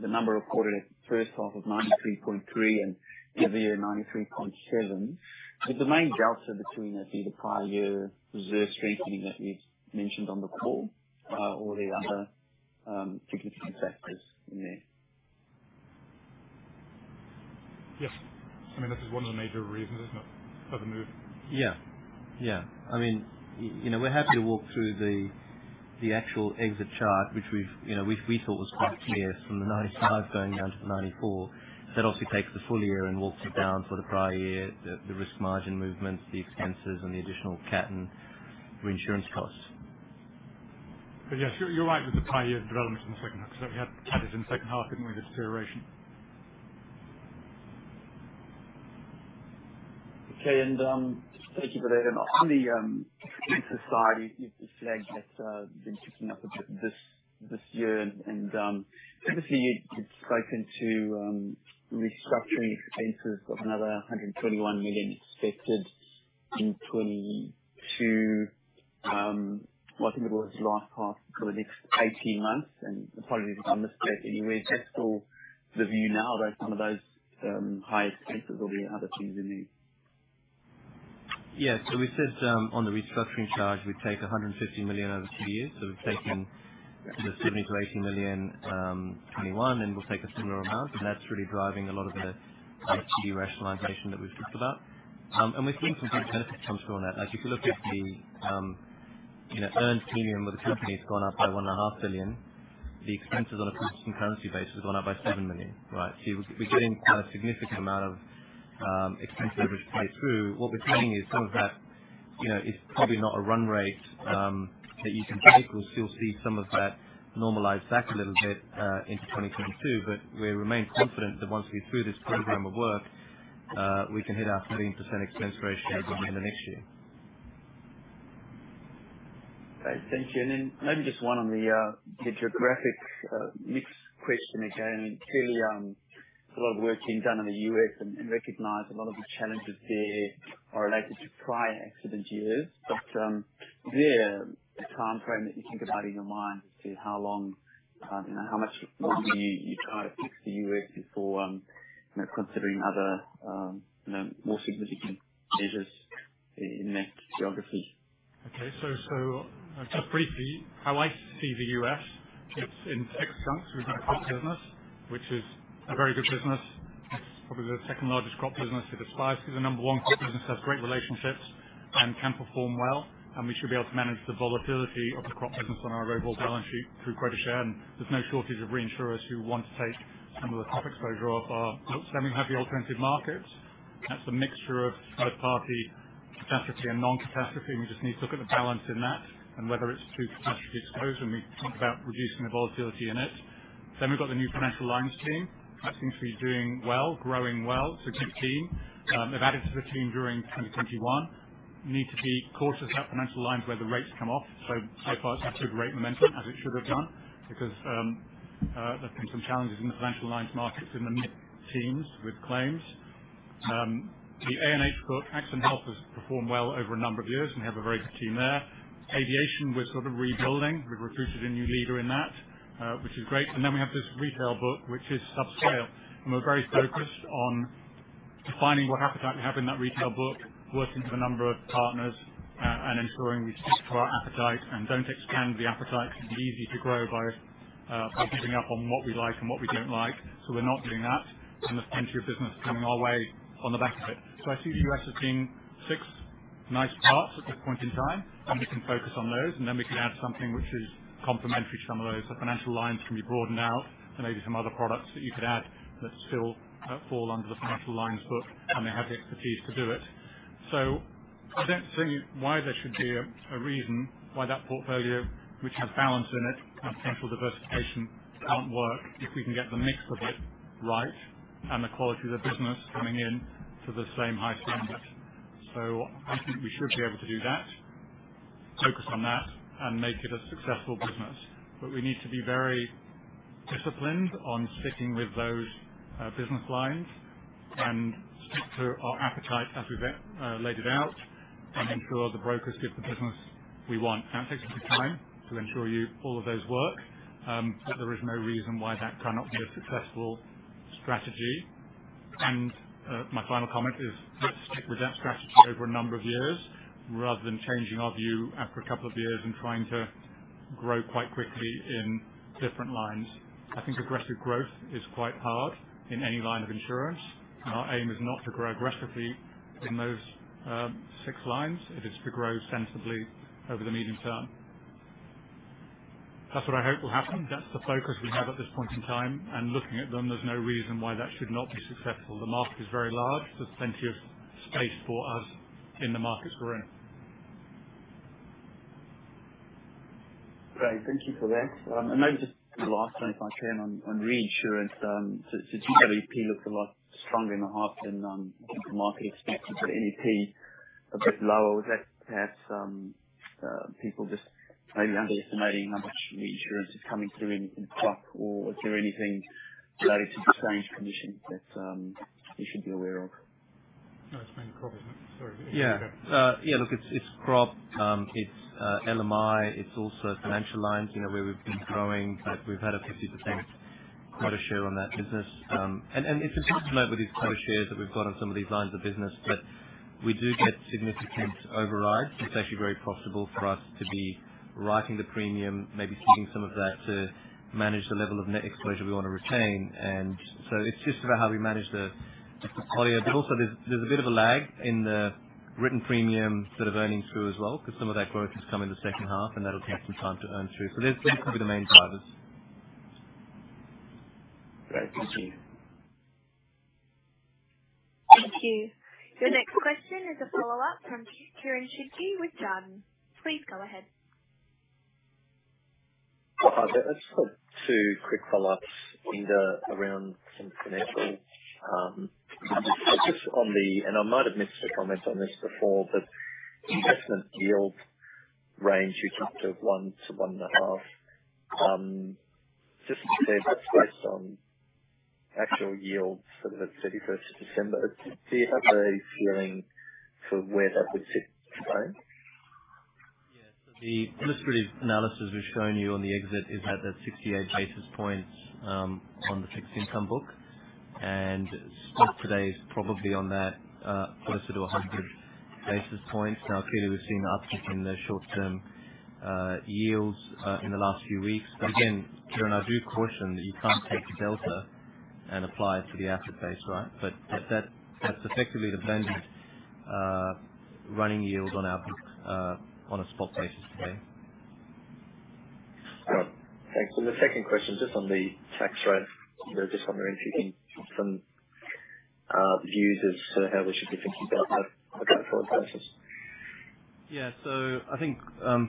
number recorded at first half of 93.3% and the other year, 93.7%. Is the main delta between that and the prior year reserve strengthening that you mentioned on the call, or the other significant factors in there? Yes. I mean, this is one of the major reasons, isn't it, for the move? Yeah. I mean, you know, we're happy to walk through the actual exit chart, which we've you know thought was quite clear from the 95% going down to the 94%. That obviously takes the full year and walks it down for the prior year, the risk margin movements, the expenses and the additional cat and reinsurance costs. Yes, you're right with the prior year developments in the second half. Certainly had cat in second half, didn't we, the deterioration. Okay. Thank you for that. On the expense ratio, it's the flag that's been kicking up a bit this year. Obviously you'd spoken to restructuring expenses of another $121 million expected in 2022, I think it was last half or the next 18 months. Apologies if I misquote anywhere. Is that still the view now that some of those high expenses will be other things removed? Yeah. We said, on the restructuring charge, we'd take $150 million over two years. We're taking the $70 million-$80 million, 2021, and we'll take a similar amount. That's really driving a lot of the IT rationalization that we've talked about. We're seeing some good benefits come through on that. Like, if you look at the, you know, earned premium of the company, it's gone up by $1.5 billion. The expenses on a constant currency basis have gone up by $7 million, right? We're getting a significant amount of expense leverage play through. What we're saying is some of that, you know, is probably not a run rate that you can take. We'll still see some of that normalize back a little bit into 2022. We remain confident that once we're through this program of work, we can hit our 13% expense ratio target in the next year. Okay. Thank you. Maybe just one on the geographic mix question again. Clearly, a lot of the work being done in the U.S. and recognize a lot of the challenges there are related to prior accident years. The timeframe that you think about in your mind is how long, you know, how much time you try to fix the U.S. before, you know, considering other, you know, more significant measures in that geography. Okay. Just briefly, how I see the U.S., it's in ex-cats. We've got the crop business, which is a very good business. Probably the second largest crop business to Chubb, who's the number one crop business. Has great relationships and can perform well, and we should be able to manage the volatility of the crop business on our overall balance sheet through quota share. There's no shortage of reinsurers who want to take some of the crop exposure off our books. We have the alternative markets. That's a mixture of third party catastrophe and non-catastrophe, and we just need to look at the balance in that and whether it's too catastrophically exposed when we talk about reducing the volatility in it. We've got the new financial lines team. That seems to be doing well, growing well. It's a good team. They've added to the team during 2021. Need to be cautious about financial lines where the rates come off. Far it's had good rate momentum, as it should have done, because there's been some challenges in the financial lines markets in the mid-terms with claims. The A&H book, Accident & Health, has performed well over a number of years, and we have a very good team there. Aviation, we're sort of rebuilding. We've recruited a new leader in that, which is great. Then we have this retail book, which is subscale, and we're very focused on defining what appetite we have in that retail book, working with a number of partners, and ensuring we stick to our appetite and don't expand the appetite. It'd be easy to grow by giving up on what we like and what we don't like. We're not doing that, and there's plenty of business coming our way on the back of it. I see the U.S. as being six nice parts at this point in time, and we can focus on those, and then we can add something which is complementary to some of those. The financial lines can be broadened out and maybe some other products that you could add that still fall under the financial lines book, and they have the expertise to do it. I don't see why there should be a reason why that portfolio, which has balance in it and potential diversification, can't work if we can get the mix of it right and the quality of the business coming in to the same high standard. I think we should be able to do that, focus on that, and make it a successful business. We need to be very disciplined on sticking with those business lines and stick to our appetite as we've laid it out and ensure the brokers give the business we want. That takes a bit of time to ensure that all of those work, but there is no reason why that cannot be a successful strategy. My final comment is let's stick with that strategy over a number of years rather than changing our view after a couple of years and trying to grow quite quickly in different lines. I think aggressive growth is quite hard in any line of insurance. Our aim is not to grow aggressively in those six lines. It is to grow sensibly over the medium term. That's what I hope will happen. That's the focus we have at this point in time. Looking at them, there's no reason why that should not be successful. The market is very large. There's plenty of space for us in the market to grow. Great. Thank you for that. Maybe just the last one, if I can, on reinsurance. GWP looks a lot stronger in the half than I think the market expected, but NEP a bit lower. Was that perhaps people just maybe underestimating how much reinsurance is coming through in the crop? Or is there anything related to strange conditions that we should be aware of? No, it's main crop, isn't it? Sorry. Yeah. Yeah, look, it's crop. It's LMI. It's also financial lines, you know, where we've been growing. We've had a 50% quota share on that business. It's important to note with these quota shares that we've got on some of these lines of business that we do get significant overrides. It's actually very possible for us to be writing the premium, maybe keeping some of that to manage the level of net exposure we wanna retain. It's just about how we manage the portfolio. Also there's a bit of a lag in the written premium sort of earnings through as well, because some of that growth has come in the second half, and that'll take some time to earn through. Those would be the main drivers. Great. Thank you. Thank you. Your next question is a follow-up from Kieren Chidgey with Jarden. Please go ahead. Hi there. I've just got two quick follow-ups around some financials. I might have missed a comment on this before, but the investment yield range you talked of 1%-1.5%. Just to be clear, that's based on actual yields sort of at 31st of December. Do you have a feeling for where that would sit today? Yeah. The illustrative analysis we've shown you on the exit is at that 68 basis points on the fixed income book. Stock today is probably on that closer to 100 basis points. Now, clearly, we've seen an uptick in the short term yields in the last few weeks. Again, Kieren, I do caution that you can't take the delta and apply it to the asset base, right? That's effectively the blended running yield on our book on a spot basis today. Right. Thanks. The second question, just on the tax rate. I'm just wondering if you can give some views as to how we should be thinking about that on a going forward basis? Yeah. I think,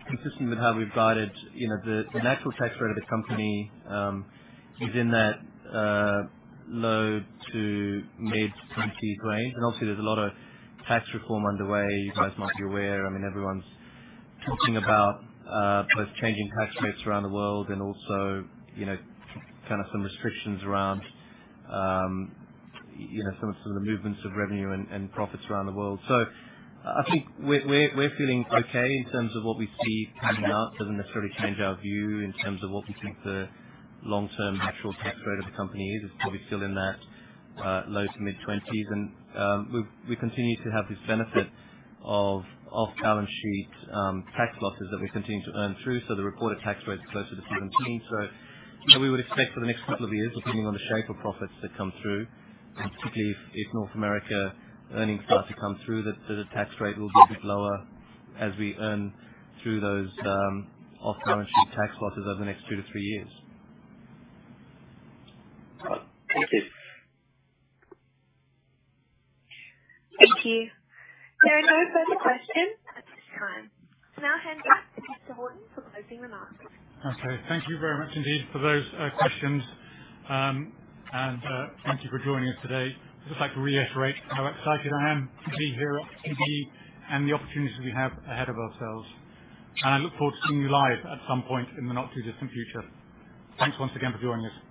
consistent with how we've guided, you know, the natural tax rate of the company, is in that low- to mid-20s% range. Obviously there's a lot of tax reform underway, you guys might be aware. I mean, everyone's talking about both changing tax rates around the world and also, you know, kind of some restrictions around, you know, some of the movements of revenue and profits around the world. I think we're feeling okay in terms of what we see coming up. Doesn't necessarily change our view in terms of what we think the long term natural tax rate of the company is. It's probably still in that low- to mid-20s%. We continue to have this benefit of off-balance sheet tax losses that we continue to earn through. The reported tax rate is closer to 17%. You know, we would expect for the next couple of years, depending on the shape of profits that come through, particularly if North America earnings start to come through, that the tax rate will be a bit lower as we earn through those off-balance sheet tax losses over the next two, three years. Got it. Thank you. Thank you. There are no further questions at this time. Now I hand back to Andrew Horton for closing remarks. Okay. Thank you very much indeed for those questions. Thank you for joining us today. I'd just like to reiterate how excited I am to be here at QBE and the opportunities we have ahead of ourselves. I look forward to seeing you live at some point in the not too distant future. Thanks once again for joining us. Thank you.